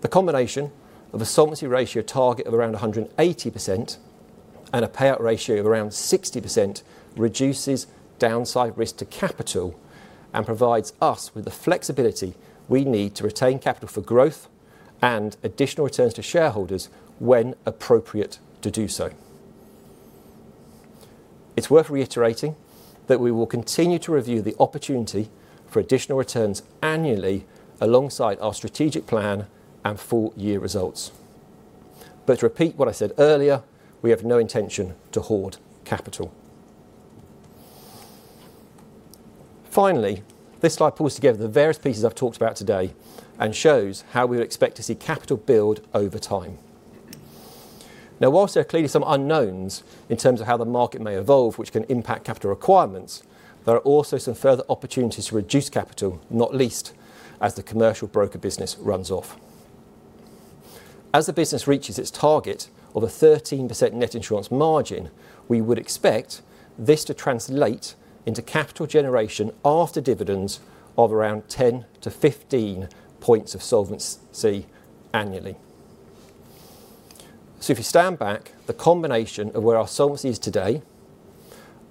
The combination of a solvency ratio target of around 180% and a payout ratio of around 60% reduces downside risk to capital and provides us with the flexibility we need to retain capital for growth and additional returns to shareholders when appropriate to do so. It's worth reiterating that we will continue to review the opportunity for additional returns annually alongside our strategic plan and full year results. But to repeat what I said earlier, we have no intention to hoard capital. Finally, this slide pulls together the various pieces I've talked about today and shows how we would expect to see capital build over time. Now, while there are clearly some unknowns in terms of how the market may evolve, which can impact capital requirements, there are also some further opportunities to reduce capital, not least as the commercial broker business runs off. As the business reaches its target of a 13% net insurance margin, we would expect this to translate into capital generation after dividends of around 10-15 points of solvency annually. So if you stand back, the combination of where our solvency is today,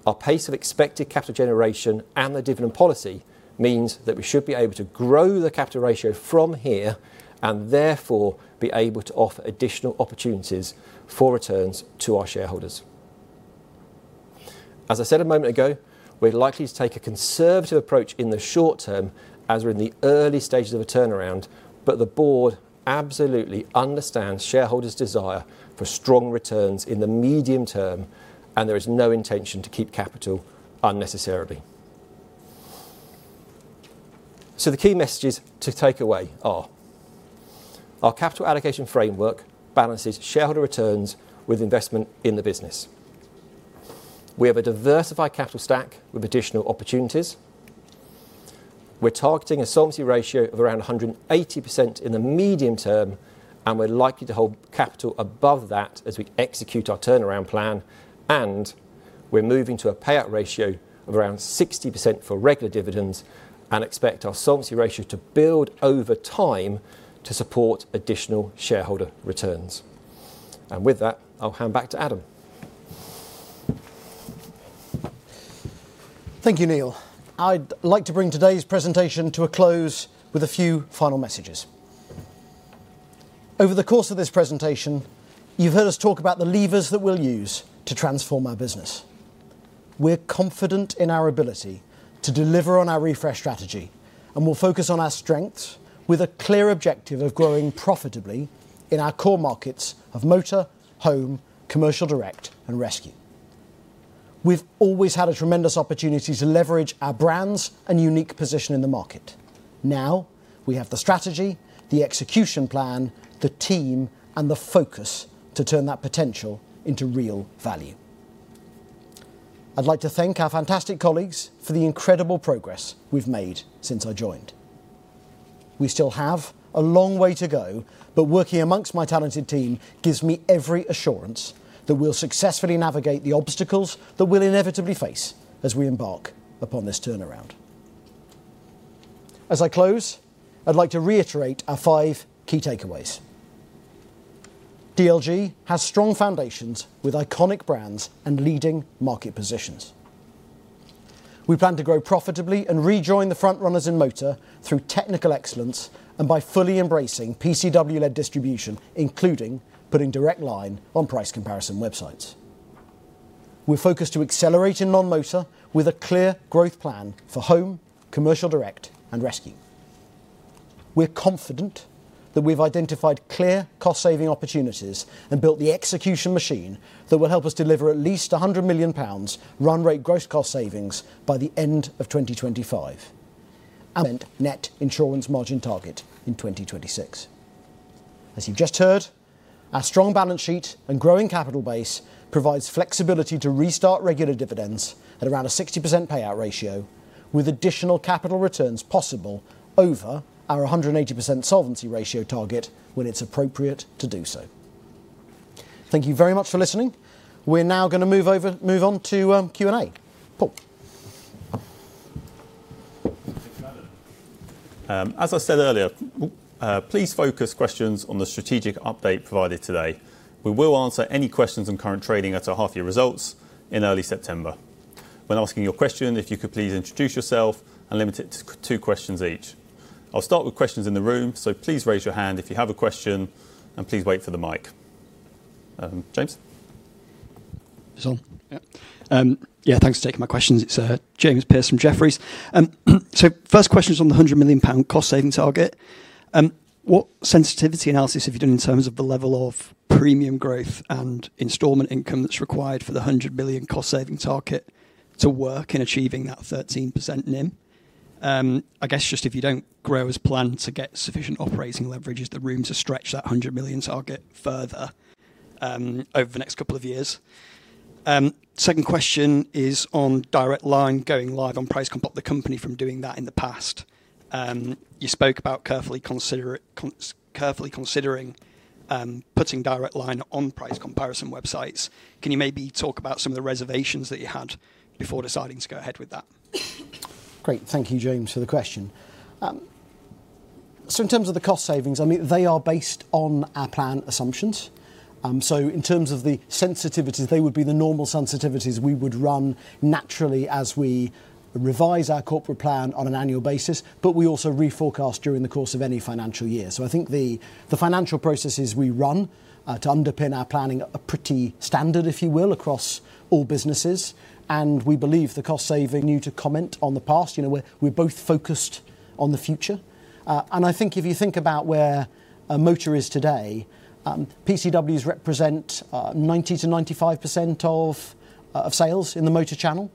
our pace of expected capital generation, and the dividend policy, means that we should be able to grow the capital ratio from here and therefore be able to offer additional opportunities for returns to our shareholders. As I said a moment ago, we're likely to take a conservative approach in the short term as we're in the early stages of a turnaround, but the board absolutely understands shareholders' desire for strong returns in the medium term, and there is no intention to keep capital unnecessarily. So the key messages to take away are: our capital allocation framework balances shareholder returns with investment in the business. We have a diversified capital stack with additional opportunities. We're targeting a solvency ratio of around 180% in the medium term, and we're likely to hold capital above that as we execute our turnaround plan, and we're moving to a payout ratio of around 60% for regular dividends and expect our solvency ratio to build over time to support additional shareholder returns. With that, I'll hand back to Adam. Thank you, Neil. I'd like to bring today's presentation to a close with a few final messages. Over the course of this presentation, you've heard us talk about the levers that we'll use to transform our business. We're confident in our ability to deliver on our refresh strategy, and we'll focus on our strengths with a clear objective of growing profitably in our core markets of motor, home, commercial direct, and rescue. We've always had a tremendous opportunity to leverage our brands and unique position in the market. Now, we have the strategy, the execution plan, the team, and the focus to turn that potential into real value. I'd like to thank our fantastic colleagues for the incredible progress we've made since I joined. We still have a long way to go, but working among my talented team gives me every assurance that we'll successfully navigate the obstacles that we'll inevitably face as we embark upon this turnaround. As I close, I'd like to reiterate our five key takeaways. DLG has strong foundations with iconic brands and leading market positions. We plan to grow profitably and rejoin the front runners in motor through technical excellence and by fully embracing PCW-led distribution, including putting Direct Line on price comparison websites. We're focused to accelerate in non-motor with a clear growth plan for home, commercial direct, and rescue. We're confident that we've identified clear cost-saving opportunities and built the execution machine that will help us deliver at least 100 million pounds run rate gross cost savings by the end of 2025, and net insurance margin target in 2026. As you've just heard, our strong balance sheet and growing capital base provides flexibility to restart regular dividends at around a 60% payout ratio, with additional capital returns possible over our 180% solvency ratio target when it's appropriate to do so. Thank you very much for listening. We're now gonna move over - move on to Q&A. Paul? As I said earlier, please focus questions on the strategic update provided today. We will answer any questions on current trading at our half-year results in early September. When asking your question, if you could please introduce yourself and limit it to two questions each. I'll start with questions in the room, so please raise your hand if you have a question, and please wait for the mic. James? Is on? Yeah. Yeah, thanks for taking my questions. It's James Pearce from Jefferies. So first question is on the 100 million pound cost saving target. What sensitivity analysis have you done in terms of the level of premium growth and installment income that's required for the 100 million cost saving target to work in achieving that 13% NIM? I guess just if you don't grow as planned to get sufficient operating leverage, is there room to stretch that 100 million target further, over the next couple of years? Second question is on Direct Line going live on price comp, the company refraining from doing that in the past. You spoke about carefully considering putting Direct Line on price comparison websites. Can you maybe talk about some of the reservations that you had before deciding to go ahead with that? Great. Thank you, James, for the question. So in terms of the cost savings, I mean, they are based on our plan assumptions. So in terms of the sensitivities, they would be the normal sensitivities we would run naturally as we revise our corporate plan on an annual basis, but we also reforecast during the course of any financial year. So I think the financial processes we run to underpin our planning are pretty standard, if you will, across all businesses, and we believe the cost savings. Not to comment on the past. You know, we're both focused on the future. And I think if you think about where a motor is today, PCWs represent 90%-95% of sales in the motor channel.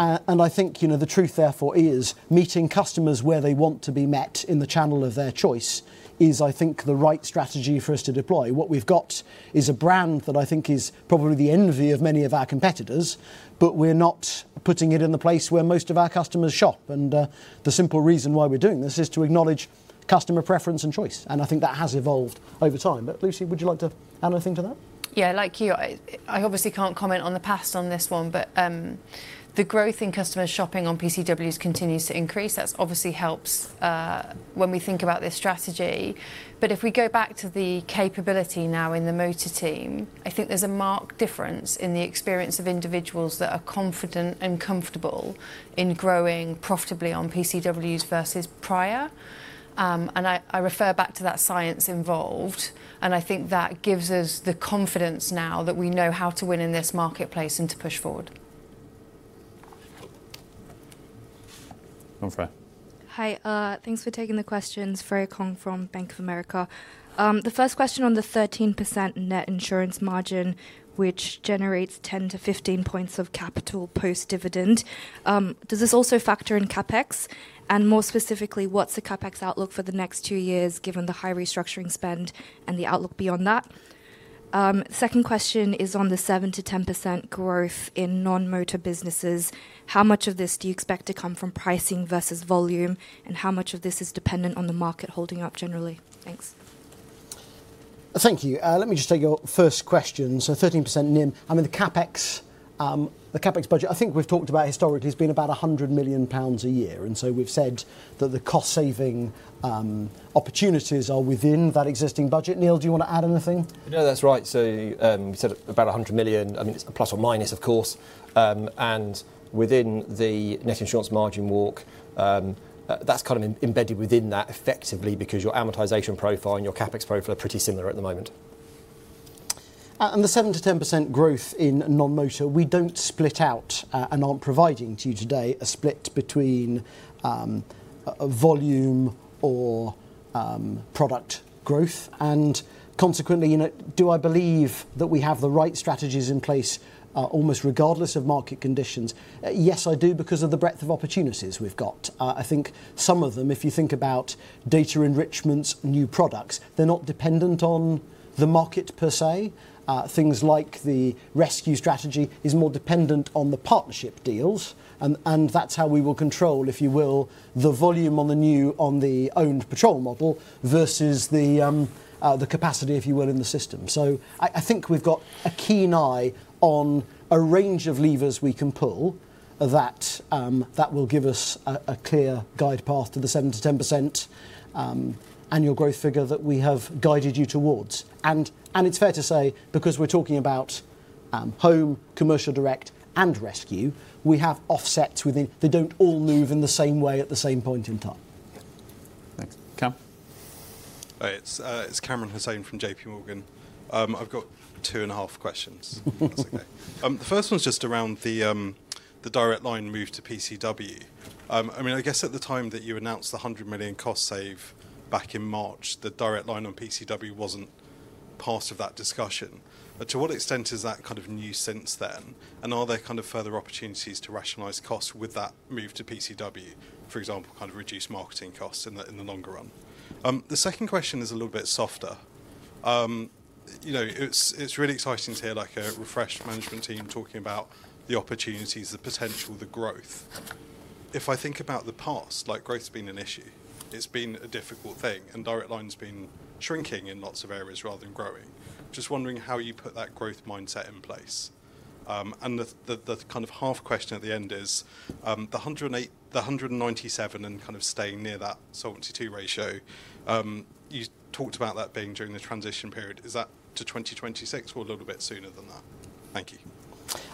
And I think, you know, the truth therefore is, meeting customers where they want to be met in the channel of their choice is, I think, the right strategy for us to deploy. What we've got is a brand that I think is probably the envy of many of our competitors, but we're not putting it in the place where most of our customers shop. And, the simple reason why we're doing this is to acknowledge customer preference and choice, and I think that has evolved over time. But Lucy, would you like to add anything to that? Yeah, like you, I obviously can't comment on the past on this one, but the growth in customer shopping on PCWs continues to increase. That's obviously helps when we think about this strategy. But if we go back to the capability now in the motor team, I think there's a marked difference in the experience of individuals that are confident and comfortable in growing profitably on PCWs versus prior. And I refer back to that science involved, and I think that gives us the confidence now that we know how to win in this marketplace and to push forward. Hi, Freya. Hi, thanks for taking the questions, Freya Kong from Bank of America. The first question on the 13% net insurance margin, which generates 10-15 points of capital post-dividend, does this also factor in CapEx? And more specifically, what's the CapEx outlook for the next two years, given the high restructuring spend and the outlook beyond that? Second question is on the 7%-10% growth in non-motor businesses. How much of this do you expect to come from pricing versus volume, and how much of this is dependent on the market holding up generally? Thanks. Thank you. Let me just take your first question. So 13% NIM, I mean, the CapEx, the CapEx budget, I think we've talked about historically, has been about 100 million pounds a year, and so we've said that the cost saving opportunities are within that existing budget. Neil, do you wanna add anything? No, that's right. So, you said about 100 million, I mean, it's ±, of course. And within the net insurance margin walk, that's kind of embedded within that effectively, because your amortization profile and your CapEx profile are pretty similar at the moment. And the 7%-10% growth in non-motor, we don't split out, and aren't providing to you today a split between, volume or, product growth. And consequently, you know, do I believe that we have the right strategies in place, almost regardless of market conditions? Yes, I do, because of the breadth of opportunities we've got. I think some of them, if you think about data enrichments, new products, they're not dependent on the market per se. Things like the rescue strategy is more dependent on the partnership deals, and, and that's how we will control, if you will, the volume on the new- on the owned patrol model versus the, the capacity, if you will, in the system. So I think we've got a keen eye on a range of levers we can pull that will give us a clear glide path to the 7%-10% annual growth figure that we have guided you towards. And it's fair to say, because we're talking about home, commercial direct, and rescue, we have offsets within. They don't all move in the same way at the same point in time. Yeah. Thanks. Cam? Hi, it's Kamran Hossain from JPMorgan. I've got 2.5 questions. If that's okay. The first one is just around the Direct Line move to PCW. I mean, I guess at the time that you announced the 100 million cost save back in March, the Direct Line on PCW wasn't part of that discussion. But to what extent is that kind of new since then? And are there kind of further opportunities to rationalize costs with that move to PCW, for example, kind of reduce marketing costs in the longer run? The second question is a little bit softer. You know, it's really exciting to hear like a refreshed management team talking about the opportunities, the potential, the growth. If I think about the past, like, growth has been an issue. It's been a difficult thing, and Direct Line's been shrinking in lots of areas rather than growing. Just wondering how you put that growth mindset in place. And the kind of half question at the end is the 197 and kind of staying near that Solvency II ratio. You talked about that being during the transition period. Is that to 2026 or a little bit sooner than that? Thank you.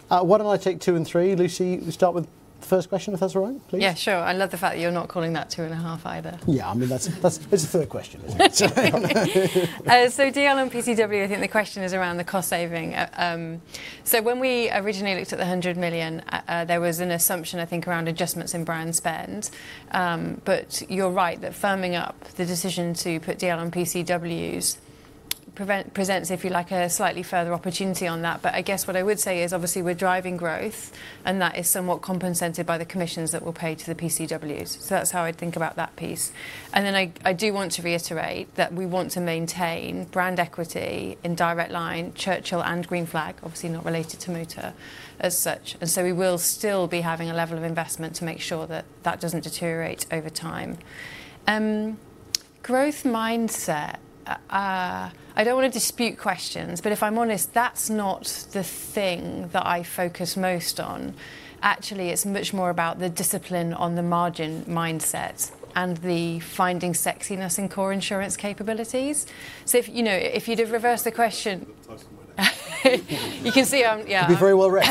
Why don't I take two and three, Lucy? We start with the first question, if that's all right, please. Yeah, sure. I love the fact that you're not calling that 2.5 either. Yeah, I mean, that's, that's... It's the third question, isn't it? So DL on PCW, I think the question is around the cost saving. So when we originally looked at the 100 million, there was an assumption, I think, around adjustments in brand spend. But you're right, that firming up the decision to put DL on PCWs presents, if you like, a slightly further opportunity on that. But I guess what I would say is, obviously, we're driving growth, and that is somewhat compensated by the commissions that we'll pay to the PCWs. So that's how I'd think about that piece. And then I, I do want to reiterate that we want to maintain brand equity in Direct Line, Churchill and Green Flag, obviously not related to motor as such. And so we will still be having a level of investment to make sure that that doesn't deteriorate over time. Growth mindset, I don't want to dispute questions, but if I'm honest, that's not the thing that I focus most on. Actually, it's much more about the discipline on the margin mindset and the finding sexiness in core insurance capabilities. So if, you know, if you'd have reversed the question- That's more it. You can see I'm, yeah. You'd be very well right.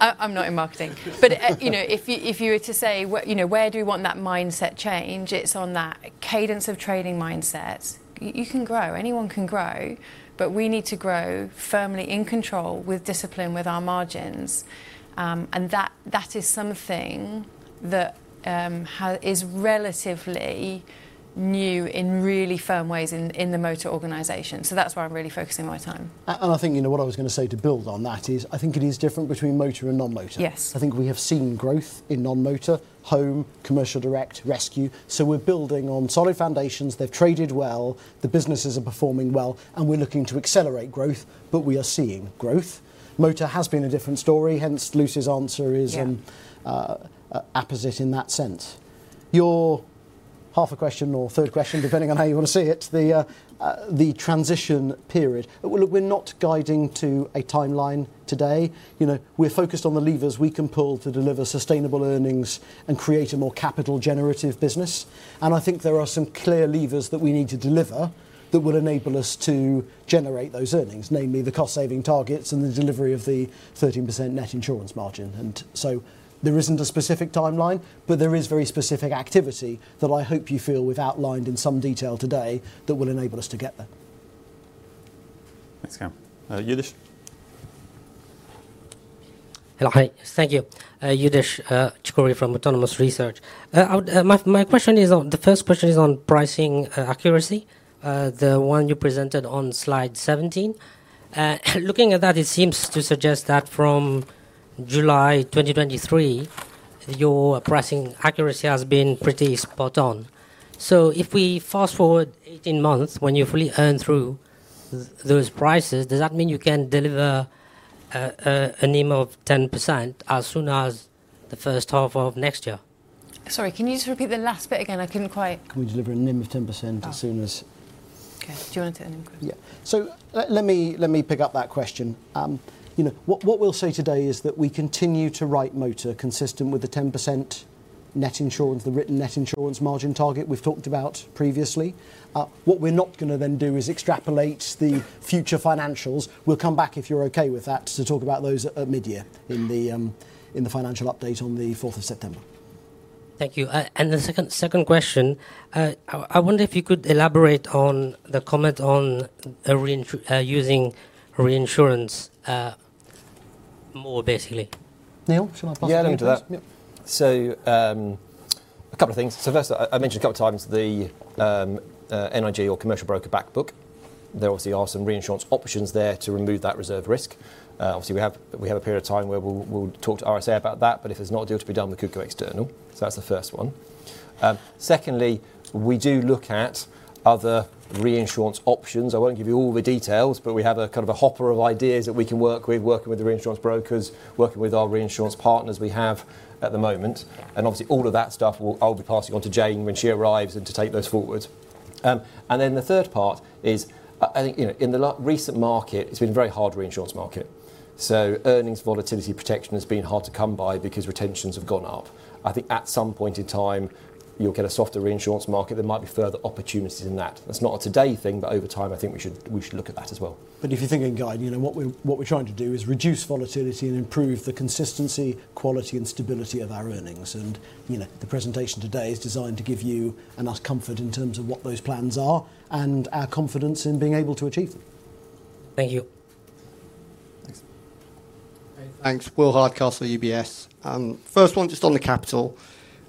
I'm not in marketing. But, you know, if you, if you were to say, what, you know, where do you want that mindset change? It's on that cadence of trading mindset. You can grow, anyone can grow, but we need to grow firmly in control with discipline with our margins. And that, that is something that, how is relatively new in really firm ways in the motor organization. So that's where I'm really focusing my time. And I think, you know, what I was gonna say to build on that is, I think it is different between motor and non-motor. Yes. I think we have seen growth in non-motor, home, commercial direct, rescue. So we're building on solid foundations. They've traded well, the businesses are performing well, and we're looking to accelerate growth, but we are seeing growth. Motor has been a different story, hence Lucy's answer is- Yeah Apposite in that sense. Your half a question or third question, depending on how you want to see it, the transition period. Well, look, we're not guiding to a timeline today. You know, we're focused on the levers we can pull to deliver sustainable earnings and create a more capital generative business. And I think there are some clear levers that we need to deliver that would enable us to generate those earnings, namely the cost-saving targets and the delivery of the 13% net insurance margin. And so there isn't a specific timeline, but there is very specific activity that I hope you feel we've outlined in some detail today that will enable us to get there. Thanks, Cam. Youdish? Hello. Hi. Thank you. Youdish Chicooree from Autonomous Research. I would, my, my question is on, the first question is on pricing accuracy, the one you presented on slide 17. Looking at that, it seems to suggest that from July 2023, your pricing accuracy has been pretty spot on. So if we fast forward 18 months when you fully earn through those prices, does that mean you can deliver a NIM of 10% as soon as the first half of next year? Sorry, can you just repeat the last bit again? I couldn't quite- Can we deliver a NIM of 10% as soon as- Okay. Do you want to take NIM question? Yeah. So let me pick up that question. You know, what we'll say today is that we continue to write motor consistent with the 10% net insurance, the written net insurance margin target we've talked about previously. What we're not gonna then do is extrapolate the future financials. We'll come back, if you're okay with that, to talk about those at midyear in the financial update on the fourth of September. Thank you. And the second question, I wonder if you could elaborate on the comment on reinsurance, using reinsurance more basically. Neil, shall I pass it on to you? Yeah, let me do that. Yeah. So, a couple of things. So first, I mentioned a couple of times the NIG or commercial broker back book. There obviously are some reinsurance options there to remove that reserve risk. Obviously, we have a period of time where we'll talk to RSA about that, but if there's no deal to be done, we could go external. So that's the first one. Secondly, we do look at other reinsurance options. I won't give you all the details, but we have a kind of a hopper of ideas that we can work with, working with the reinsurance brokers, working with our reinsurance partners we have at the moment, and obviously, all of that stuff will. I'll be passing on to Jane when she arrives and to take those forward. And then the third part is, I think, you know, in the recent market, it's been a very hard reinsurance market. So earnings volatility protection has been hard to come by because retentions have gone up. I think at some point in time, you'll get a softer reinsurance market. There might be further opportunities in that. That's not a today thing, but over time, I think we should, we should look at that as well. But if you're thinking, guys, you know, what we, what we're trying to do is reduce volatility and improve the consistency, quality, and stability of our earnings. And, you know, the presentation today is designed to give you and us comfort in terms of what those plans are and our confidence in being able to achieve them. Thank you. Thanks. Hey, thanks. Will Hardcastle, UBS. First one, just on the capital.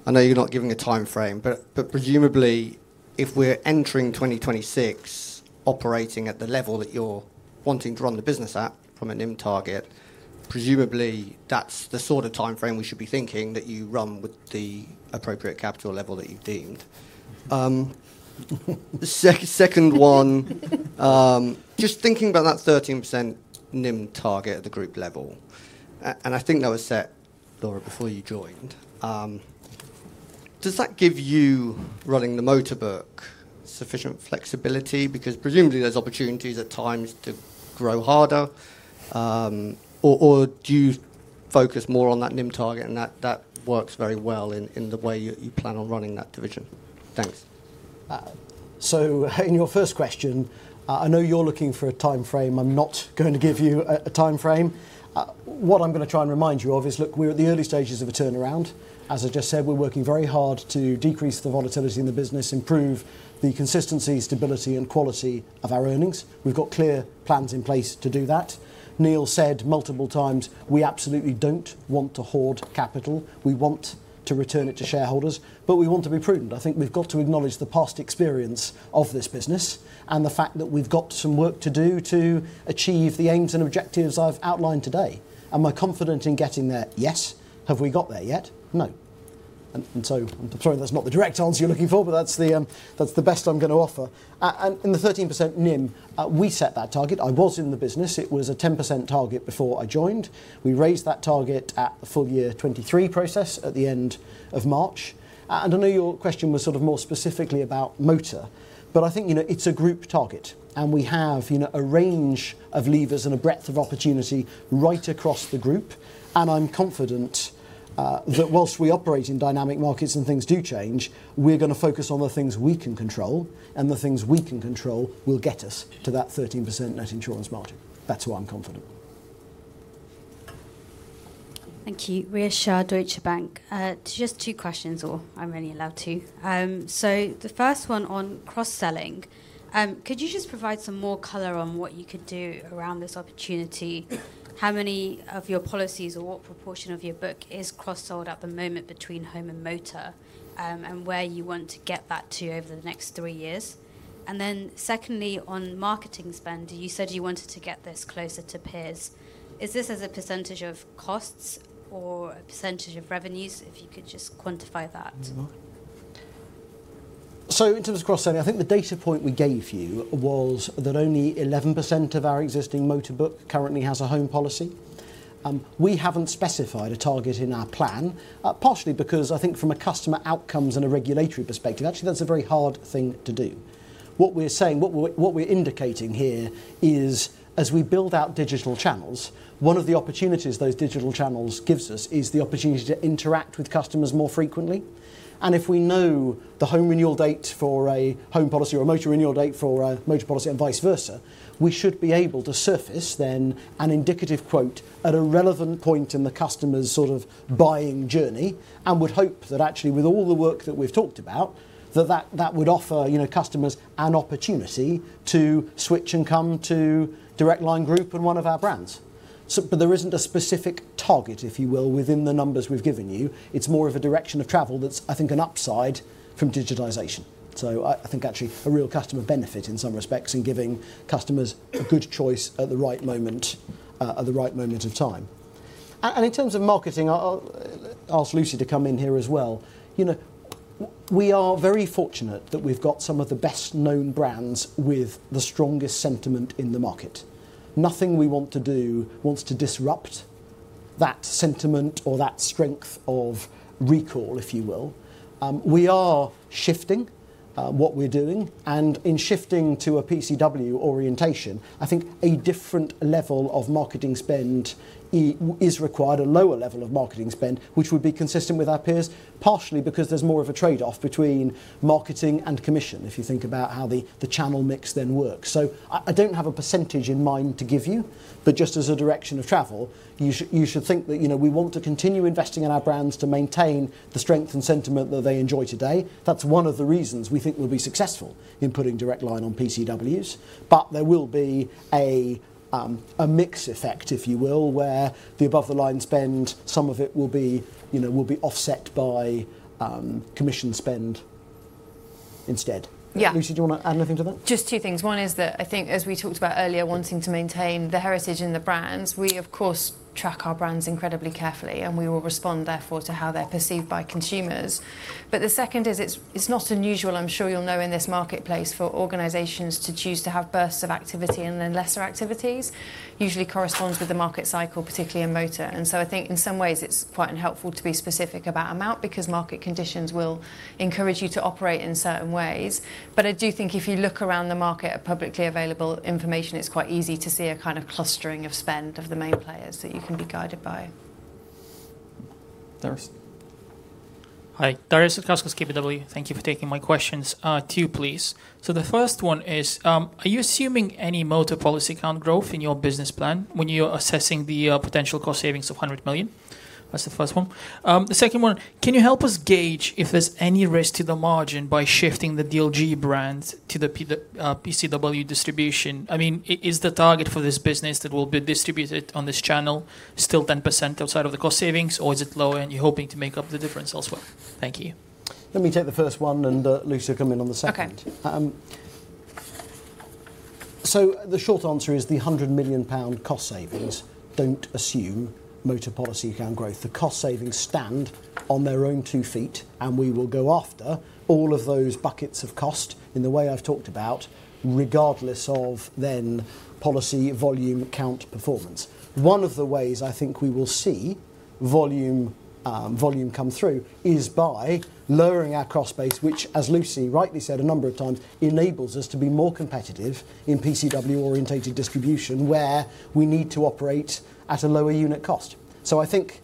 I know you're not giving a time frame, but presumably, if we're entering 2026, operating at the level that you're wanting to run the business at from a NIM target, presumably, that's the sort of time frame we should be thinking that you run with the appropriate capital level that you've deemed. Second one, just thinking about that 13% NIM target at the group level, and I think that was set, lower, before you joined. Does that give you, running the motor book, sufficient flexibility? Because presumably, there's opportunities at times to grow harder, or do you focus more on that NIM target, and that works very well in the way you plan on running that division? Thanks. So in your first question, I know you're looking for a time frame. I'm not going to give you a time frame. What I'm going to try and remind you of is, look, we're at the early stages of a turnaround. As I just said, we're working very hard to decrease the volatility in the business, improve the consistency, stability, and quality of our earnings. We've got clear plans in place to do that. Neil said multiple times, we absolutely don't want to hoard capital. We want to return it to shareholders, but we want to be prudent. I think we've got to acknowledge the past experience of this business and the fact that we've got some work to do to achieve the aims and objectives I've outlined today. Am I confident in getting there? Yes. Have we got there yet? No. So I'm sorry, that's not the direct answer you're looking for, but that's the best I'm going to offer. And in the 13% NIM, we set that target. I was in the business. It was a 10% target before I joined. We raised that target at the full year 2023 process at the end of March. And I know your question was sort of more specifically about motor, but I think, you know, it's a group target, and we have, you know, a range of levers and a breadth of opportunity right across the group. And I'm confident that whilst we operate in dynamic markets and things do change, we're going to focus on the things we can control, and the things we can control will get us to that 13% net insurance margin. That's why I'm confident. Thank you. Rhea Shah, Deutsche Bank. Just two questions, or I'm only allowed two. So the first one on cross-selling, could you just provide some more color on what you could do around this opportunity? How many of your policies or what proportion of your book is cross-sold at the moment between home and motor, and where you want to get that to over the next three years? And then secondly, on marketing spend, you said you wanted to get this closer to peers. Is this as a percentage of costs or a percentage of revenues? If you could just quantify that. In terms of cross-selling, I think the data point we gave you was that only 11% of our existing motor book currently has a home policy. We haven't specified a target in our plan, partially because I think from a customer outcomes and a regulatory perspective, actually, that's a very hard thing to do. What we're indicating here is, as we build out digital channels, one of the opportunities those digital channels gives us is the opportunity to interact with customers more frequently. And if we know the home renewal date for a home policy or a motor renewal date for a motor policy and vice versa, we should be able to surface then an indicative quote at a relevant point in the customer's sort of buying journey, and would hope that actually, with all the work that we've talked about, that would offer, you know, customers an opportunity to switch and come to Direct Line Group and one of our brands. So but there isn't a specific target, if you will, within the numbers we've given you. It's more of a direction of travel that's, I think, an upside from digitization. So I think actually a real customer benefit in some respects in giving customers a good choice at the right moment, at the right moment of time. And in terms of marketing, I'll ask Lucy to come in here as well. You know, we are very fortunate that we've got some of the best-known brands with the strongest sentiment in the market. Nothing we want to do wants to disrupt that sentiment or that strength of recall, if you will. We are shifting what we're doing, and in shifting to a PCW orientation, I think a different level of marketing spend is required, a lower level of marketing spend, which would be consistent with our peers, partially because there's more of a trade-off between marketing and commission, if you think about how the channel mix then works. So I don't have a percentage in mind to give you, but just as a direction of travel, you should think that, you know, we want to continue investing in our brands to maintain the strength and sentiment that they enjoy today. That's one of the reasons we think we'll be successful in putting Direct Line on PCWs, but there will be a mix effect, if you will, where the above-the-line spend, some of it will be, you know, will be offset by commission spend instead. Yeah. Lucy, do you wanna add anything to that? Just two things. One is that I think, as we talked about earlier, wanting to maintain the heritage and the brands, we of course track our brands incredibly carefully, and we will respond therefore to how they're perceived by consumers. But the second is, it's not unusual, I'm sure you'll know, in this marketplace for organizations to choose to have bursts of activity and then lesser activities. Usually corresponds with the market cycle, particularly in motor. And so I think in some ways it's quite unhelpful to be specific about amount because market conditions will encourage you to operate in certain ways. But I do think if you look around the market at publicly available information, it's quite easy to see a kind of clustering of spend of the main players that you can be guided by. Darius. Hi, Darius Satkauskas, KBW. Thank you for taking my questions. Two, please. So the first one is, are you assuming any motor policy count growth in your business plan when you're assessing the potential cost savings of 100 million? That's the first one. The second one, can you help us gauge if there's any risk to the margin by shifting the DLG brands to the PCW distribution? I mean, is the target for this business that will be distributed on this channel still 10% outside of the cost savings, or is it lower and you're hoping to make up the difference as well? Thank you. Let me take the first one, and Lucy, come in on the second. Okay. So the short answer is the 100 million pound cost savings don't assume motor policy count growth. The cost savings stand on their own two feet, and we will go after all of those buckets of cost in the way I've talked about, regardless of then policy, volume, count, performance. One of the ways I think we will see volume, volume come through is by lowering our cost base, which, as Lucy rightly said a number of times, enables us to be more competitive in PCW-oriented distribution, where we need to operate at a lower unit cost. So I think,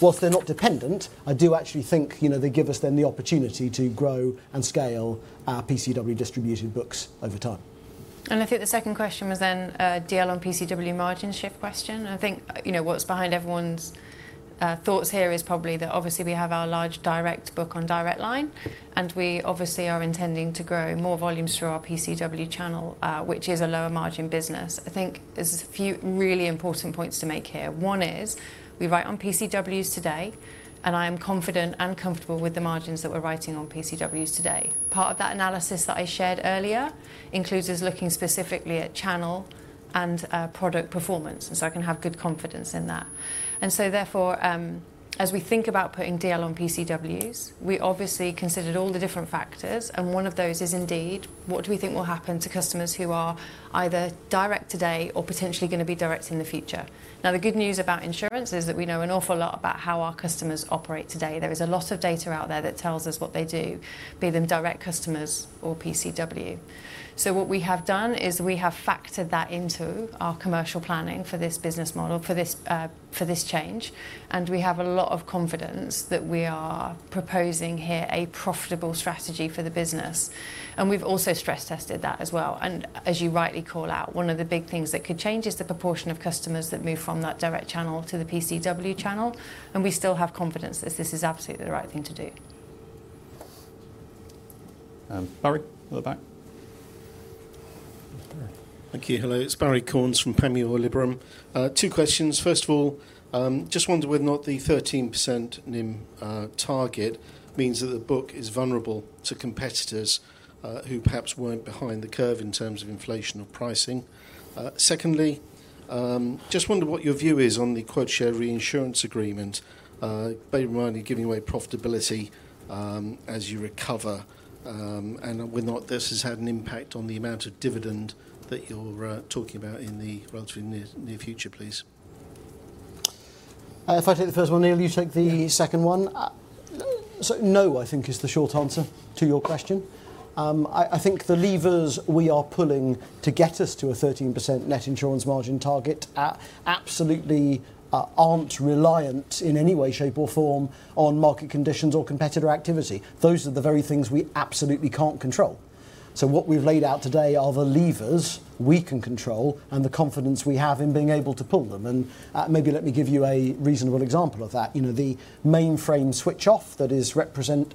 while they're not dependent, I do actually think, you know, they give us then the opportunity to grow and scale our PCW distribution books over time. And I think the second question was then a DL on PCW margin shift question. I think, you know, what's behind everyone's thoughts here is probably that obviously we have our large direct book on Direct Line, and we obviously are intending to grow more volumes through our PCW channel, which is a lower margin business. I think there's a few really important points to make here. One is, we write on PCWs today, and I am confident and comfortable with the margins that we're writing on PCWs today. Part of that analysis that I shared earlier includes us looking specifically at channel and product performance, and so I can have good confidence in that. And so therefore, as we think about putting DL on PCWs, we obviously considered all the different factors, and one of those is indeed, what do we think will happen to customers who are either direct today or potentially gonna be direct in the future? Now, the good news about insurance is that we know an awful lot about how our customers operate today. There is a lot of data out there that tells us what they do, be them direct customers or PCW. So what we have done is we have factored that into our commercial planning for this business model, for this change, and we have a lot of confidence that we are proposing here a profitable strategy for the business. And we've also stress-tested that as well. As you rightly call out, one of the big things that could change is the proportion of customers that move from that direct channel to the PCW channel, and we still have confidence that this is absolutely the right thing to do. Barrie, at the back. Thank you. Hello, it's Barrie Cornes from Panmure Liberum. Two questions. First of all, just wonder whether or not the 13% NIM target means that the book is vulnerable to competitors who perhaps weren't behind the curve in terms of inflation or pricing. Secondly, just wonder what your view is on the quota share reinsurance agreement, bearing in mind you're giving away profitability as you recover, and whether or not this has had an impact on the amount of dividend that you're talking about in the relatively near, near future, please. If I take the first one, Neil, you take the second one? So no, I think is the short answer to your question. I think the levers we are pulling to get us to a 13% net insurance margin target absolutely aren't reliant in any way, shape, or form on market conditions or competitor activity. Those are the very things we absolutely can't control. So what we've laid out today are the levers we can control and the confidence we have in being able to pull them. And, maybe let me give you a reasonable example of that. You know, the mainframe switch off that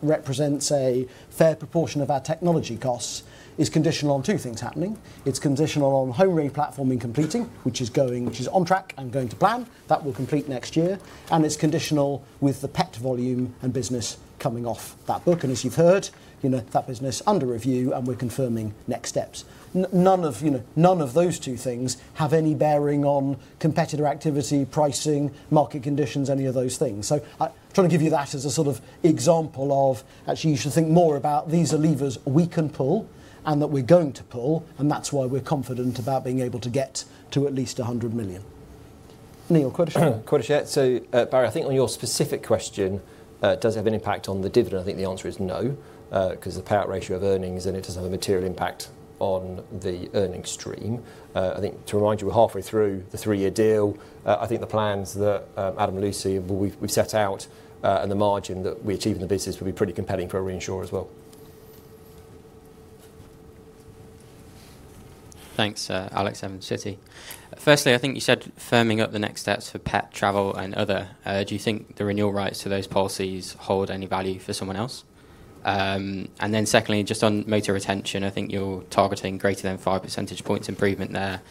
represents a fair proportion of our technology costs is conditional on two things happening. It's conditional on home re-platforming completing, which is on track and going to plan. That will complete next year. It's conditional with the pet volume and business coming off that book. As you've heard, you know, that business under review, and we're confirming next steps. None of, you know, none of those two things have any bearing on competitor activity, pricing, market conditions, any of those things. So, trying to give you that as a sort of example of actually, you should think more about these are levers we can pull and that we're going to pull, and that's why we're confident about being able to get to at least 100 million. Neil, quota share? Quota share. So, Barrie, I think on your specific question, does it have an impact on the dividend? I think the answer is no, 'cause the payout ratio of earnings, and it doesn't have a material impact on the earnings stream. I think to remind you, we're halfway through the three-year deal. I think the plans that, Adam and Lucy, we've, we've set out, and the margin that we achieve in the business will be pretty compelling for a reinsurer as well. Thanks, Alex Evans, Citi. Firstly, I think you said firming up the next steps for pet, travel, and other. Do you think the renewal rights to those policies hold any value for someone else? And then secondly, just on motor retention, I think you're targeting greater than 5 percentage points improvement there.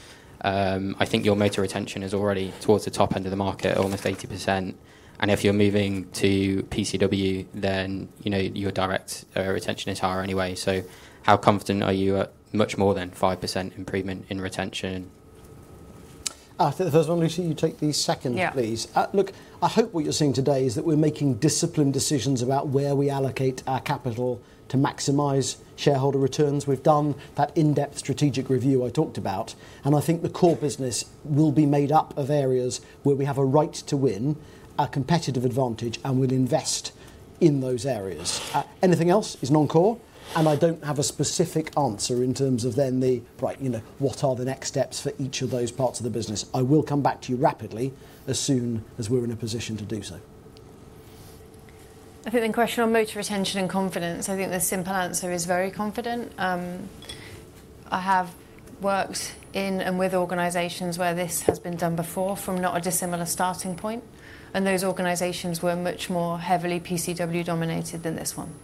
I think your motor retention is already towards the top end of the market, almost 80%, and if you're moving to PCW, then, you know, your direct, retention is higher anyway. So how confident are you at much more than 5% improvement in retention? The first one, Lucy, you take the second, please. Yeah. Look, I hope what you're seeing today is that we're making disciplined decisions about where we allocate our capital to maximize shareholder returns. We've done that in-depth strategic review I talked about, and I think the core business will be made up of areas where we have a right to win, a competitive advantage, and we'll invest in those areas. Anything else is non-core, and I don't have a specific answer in terms of then the, right, you know, what are the next steps for each of those parts of the business? I will come back to you rapidly as soon as we're in a position to do so. I think the question on motor retention and confidence, I think the simple answer is very confident. I have worked in and with organizations where this has been done before from not a dissimilar starting point, and those organizations were much more heavily PCW dominated than this one.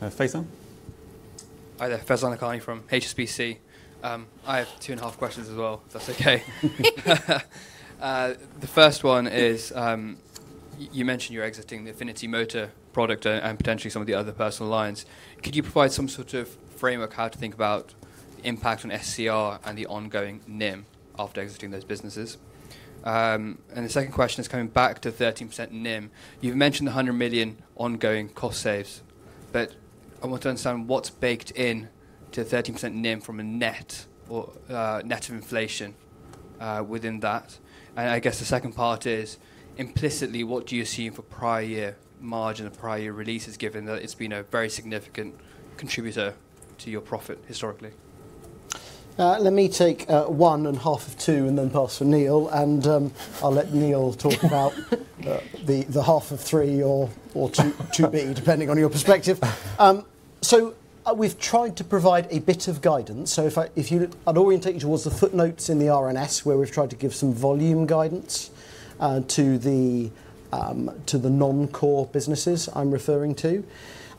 Uh, Faisal? Hi there, Faizan Lakhani from HSBC. I have two and a half questions as well, if that's okay. The first one is, you mentioned you're exiting the affinity motor product and potentially some of the other personal lines. Could you provide some sort of framework, how to think about the impact on SCR and the ongoing NIM after exiting those businesses? And the second question is coming back to 13% NIM. You've mentioned 100 million ongoing cost saves, but I want to understand what's baked in to 13% NIM from a net or, net of inflation, within that. And I guess the second part is, implicitly, what do you assume for prior year margin or prior year releases, given that it's been a very significant contributor to your profit historically? Let me take 1 and half of 2 and then pass to Neil, and I'll let Neil talk about the half of 3 or 2, 2B, depending on your perspective. So we've tried to provide a bit of guidance. So if you look, I'd orientate you towards the footnotes in the RNS, where we've tried to give some volume guidance to the non-core businesses I'm referring to.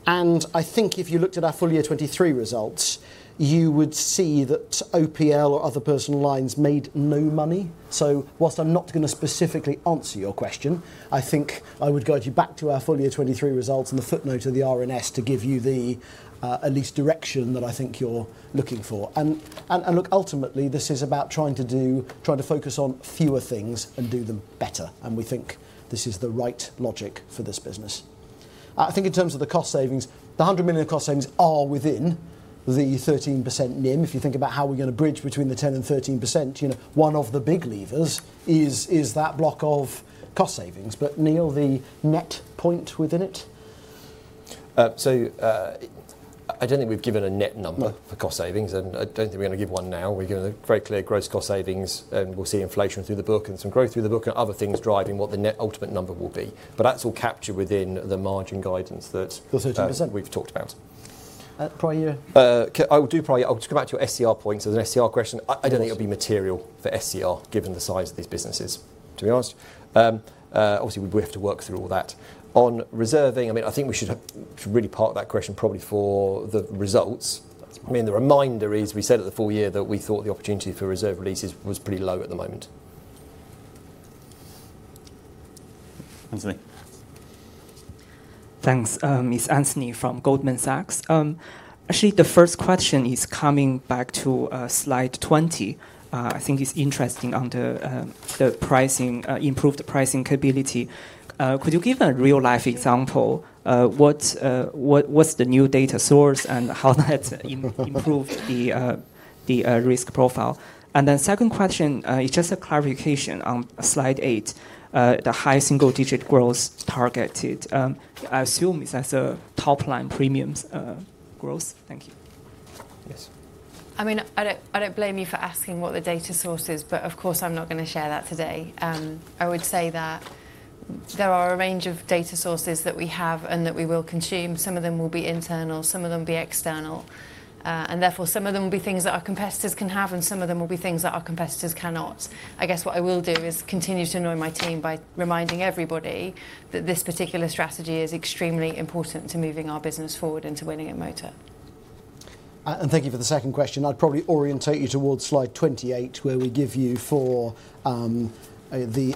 And I think if you looked at our full year 2023 results, you would see that OPL or other personal lines made no money. So while I'm not gonna specifically answer your question, I think I would guide you back to our full year 2023 results in the footnote of the RNS to give you at least the direction that I think you're looking for. And look, ultimately, this is about trying to focus on fewer things and do them better, and we think this is the right logic for this business. I think in terms of the cost savings, the 100 million cost savings are within the 13% NIM. If you think about how we're gonna bridge between the 10% and 13%, you know, one of the big levers is that block of cost savings. But Neil, the net point within it? So, I don't think we've given a net number for cost savings, and I don't think we're gonna give one now. We've given a very clear gross cost savings, and we'll see inflation through the book and some growth through the book and other things driving what the net ultimate number will be. But that's all captured within the margin guidance that- The 13% We've talked about. Prior year? I will do prior year. I'll just come back to your SCR point. So the SCR question, I don't think it'll be material for SCR, given the size of these businesses, to be honest. Obviously, we have to work through all that. On reserving, I mean, I think we should really park that question probably for the results. I mean, the reminder is, we said at the full year that we thought the opportunity for reserve releases was pretty low at the moment. Anthony. Thanks. It's Anthony from Goldman Sachs. Actually, the first question is coming back to slide 20. I think it's interesting on the pricing improved pricing capability. Could you give a real-life example, what's the new data source and how that improved the risk profile? And then second question is just a clarification on slide 8, the high single-digit growth targeted. I assume it's as a top-line premiums growth. Thank you. Yes. I mean, I don't blame you for asking what the data source is, but of course, I'm not gonna share that today. I would say that there are a range of data sources that we have and that we will consume. Some of them will be internal, some of them will be external, and therefore, some of them will be things that our competitors can have, and some of them will be things that our competitors cannot. I guess what I will do is continue to annoy my team by reminding everybody that this particular strategy is extremely important to moving our business forward into winning at motor. And thank you for the second question. I'd probably orientate you towards slide 28, where we give you for the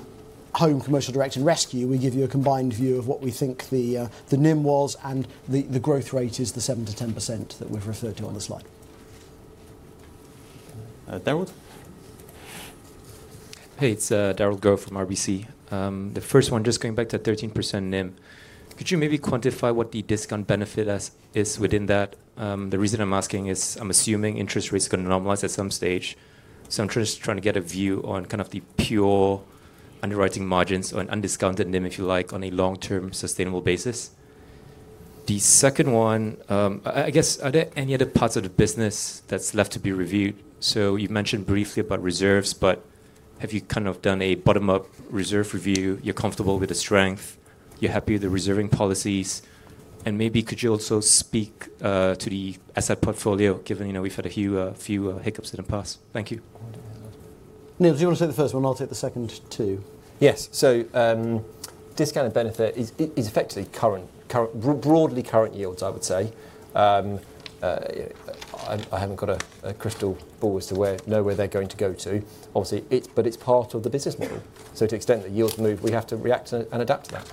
home, commercial direct, and rescue. We give you a combined view of what we think the NIM was and the growth rate is the 7%-10% that we've referred to on the slide. Uh, Darragh? Hey, it's Darragh Goh from RBC. The first one, just going back to 13% NIM. Could you maybe quantify what the discount benefit is within that? The reason I'm asking is I'm assuming interest rates are gonna normalize at some stage. So I'm just trying to get a view on kind of the pure underwriting margins or an undiscounted NIM, if you like, on a long-term, sustainable basis. The second one, I guess, are there any other parts of the business that's left to be reviewed? So you've mentioned briefly about reserves, but have you kind of done a bottom-up reserve review? You're comfortable with the strength, you're happy with the reserving policies, and maybe could you also speak to the asset portfolio, given, you know, we've had a few hiccups in the past? Thank you. Neil, do you wanna say the first one? I'll take the second two. Yes. So, discounted benefit is effectively broadly current yields, I would say. I haven't got a crystal ball as to where, you know, where they're going to go to. Obviously, it's... But it's part of the business model. So to the extent that yields move, we have to react to and adapt to that.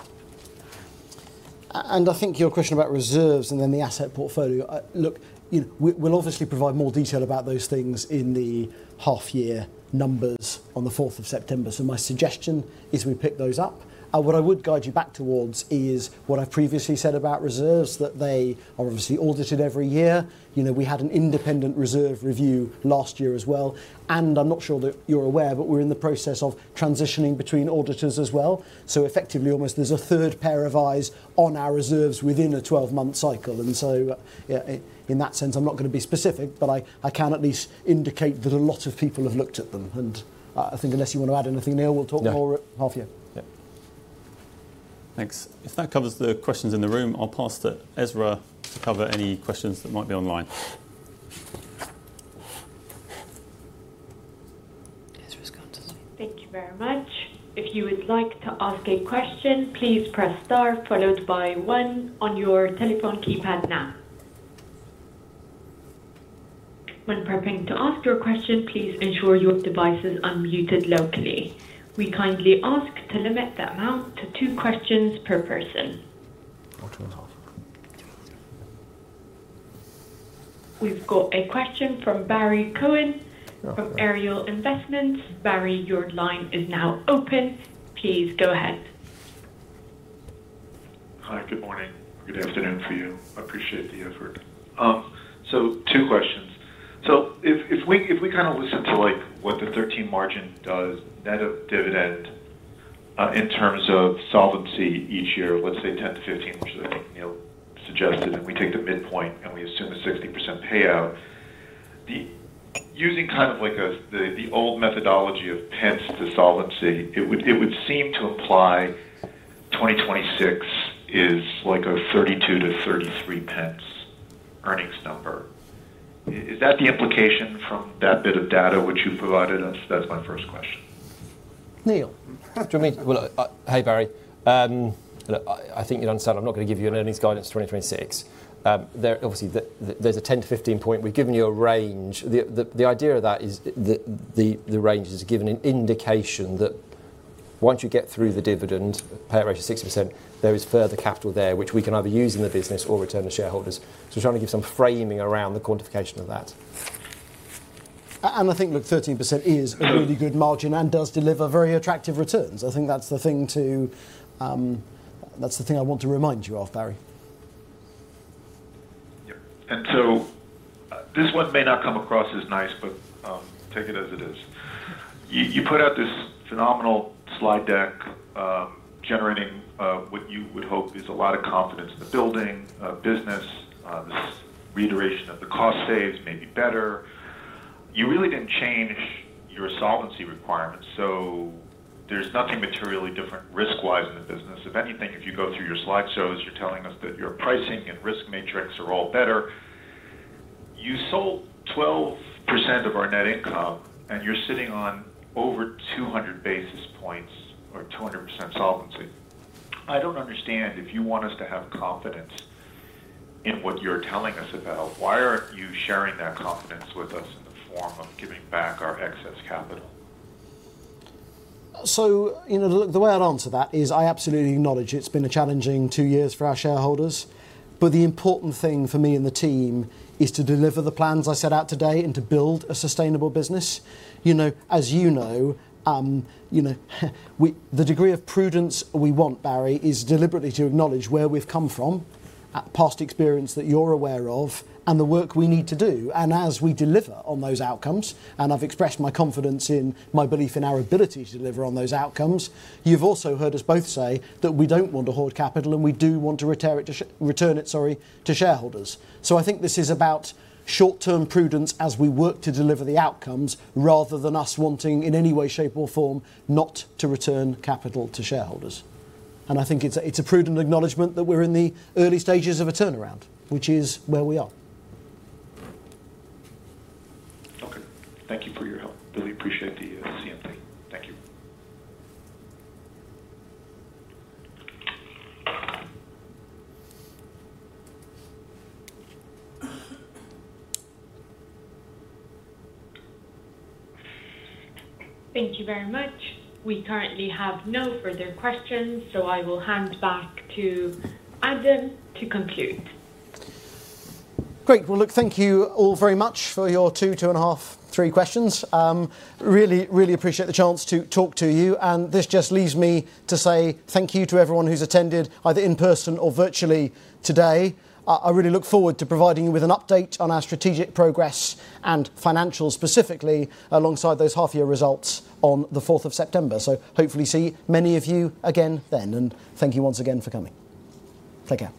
I think your question about reserves and then the asset portfolio, look, you know, we, we'll obviously provide more detail about those things in the half-year numbers on the fourth of September. So my suggestion is we pick those up. What I would guide you back towards is what I previously said about reserves, that they are obviously audited every year. You know, we had an independent reserve review last year as well, and I'm not sure that you're aware, but we're in the process of transitioning between auditors as well. So effectively, almost there's a third pair of eyes on our reserves within a 12-month cycle. And so, yeah, in that sense, I'm not gonna be specific, but I, I can at least indicate that a lot of people have looked at them. I think unless you wanna add anything, Neil, we'll talk more at- Yeah Half year. Yeah. Thanks. If that covers the questions in the room, I'll pass to Ezra to cover any questions that might be online. Ezra's gone to sleep. Thank you very much. If you would like to ask a question, please press star, followed by one on your telephone keypad now. When prepping to ask your question, please ensure your device is unmuted locally. We kindly ask to limit the amount to two questions per person. Or 2.5. We've got a question from Barry Cohen from Ariel Investments. Barry, your line is now open. Please go ahead. Hi, good morning, good afternoon to you. I appreciate the effort. So two questions. So if, if we, if we kinda listen to, like, what the 13 margin does, net of dividend, in terms of solvency each year, let's say 10-15, which Neil suggested, and we take the midpoint, and we assume a 60% payout. The... Using kind of like a, the, the old methodology of pence to solvency, it would, it would seem to imply 2026 is like a 32-33 pence earnings number. Is that the implication from that bit of data which you provided us? That's my first question. Neil, do you want me? Well, hey, Barry. Look, I think you'd understand, I'm not gonna give you an earnings guidance 2026. There, obviously, there's a 10-15 point. We've given you a range. The idea of that is the range is to give an indication that once you get through the dividend payout ratio 60%, there is further capital there, which we can either use in the business or return to shareholders. So we're trying to give some framing around the quantification of that. I think, look, 13% is a really good margin and does deliver very attractive returns. I think that's the thing to, that's the thing I want to remind you of, Barry. Yeah. And so, this one may not come across as nice, but, take it as it is. You, you put out this phenomenal slide deck, generating, what you would hope is a lot of confidence in the building, business, this reiteration of the cost saves may be better. You really didn't change your solvency requirements, so there's nothing materially different risk-wise in the business. If anything, if you go through your slide shows, you're telling us that your pricing and risk matrix are all better. You sold 12% of our net income, and you're sitting on over 200 basis points or 200% solvency. I don't understand if you want us to have confidence in what you're telling us about, why aren't you sharing that confidence with us in the form of giving back our excess capital? So, you know, look, the way I'd answer that is I absolutely acknowledge it's been a challenging two years for our shareholders, but the important thing for me and the team is to deliver the plans I set out today and to build a sustainable business. You know, as you know, you know, the degree of prudence we want, Barrie, is deliberately to acknowledge where we've come from, past experience that you're aware of, and the work we need to do. As we deliver on those outcomes, and I've expressed my confidence in my belief in our ability to deliver on those outcomes, you've also heard us both say that we don't want to hoard capital, and we do want to retire it to... return it, sorry, to shareholders. I think this is about short-term prudence as we work to deliver the outcomes, rather than us wanting, in any way, shape, or form, not to return capital to shareholders. I think it's a, it's a prudent acknowledgment that we're in the early stages of a turnaround, which is where we are. Okay. Thank you for your help. Really appreciate the candor. Thank you. Thank you very much. We currently have no further questions, so I will hand back to Adam to conclude. Great! Well, look, thank you all very much for your 2, 2.5, 3 questions. Really, really appreciate the chance to talk to you, and this just leaves me to say thank you to everyone who's attended, either in person or virtually today. I really look forward to providing you with an update on our strategic progress and financials, specifically alongside those half-year results on the fourth of September. So hopefully see many of you again then, and thank you once again for coming. Take care.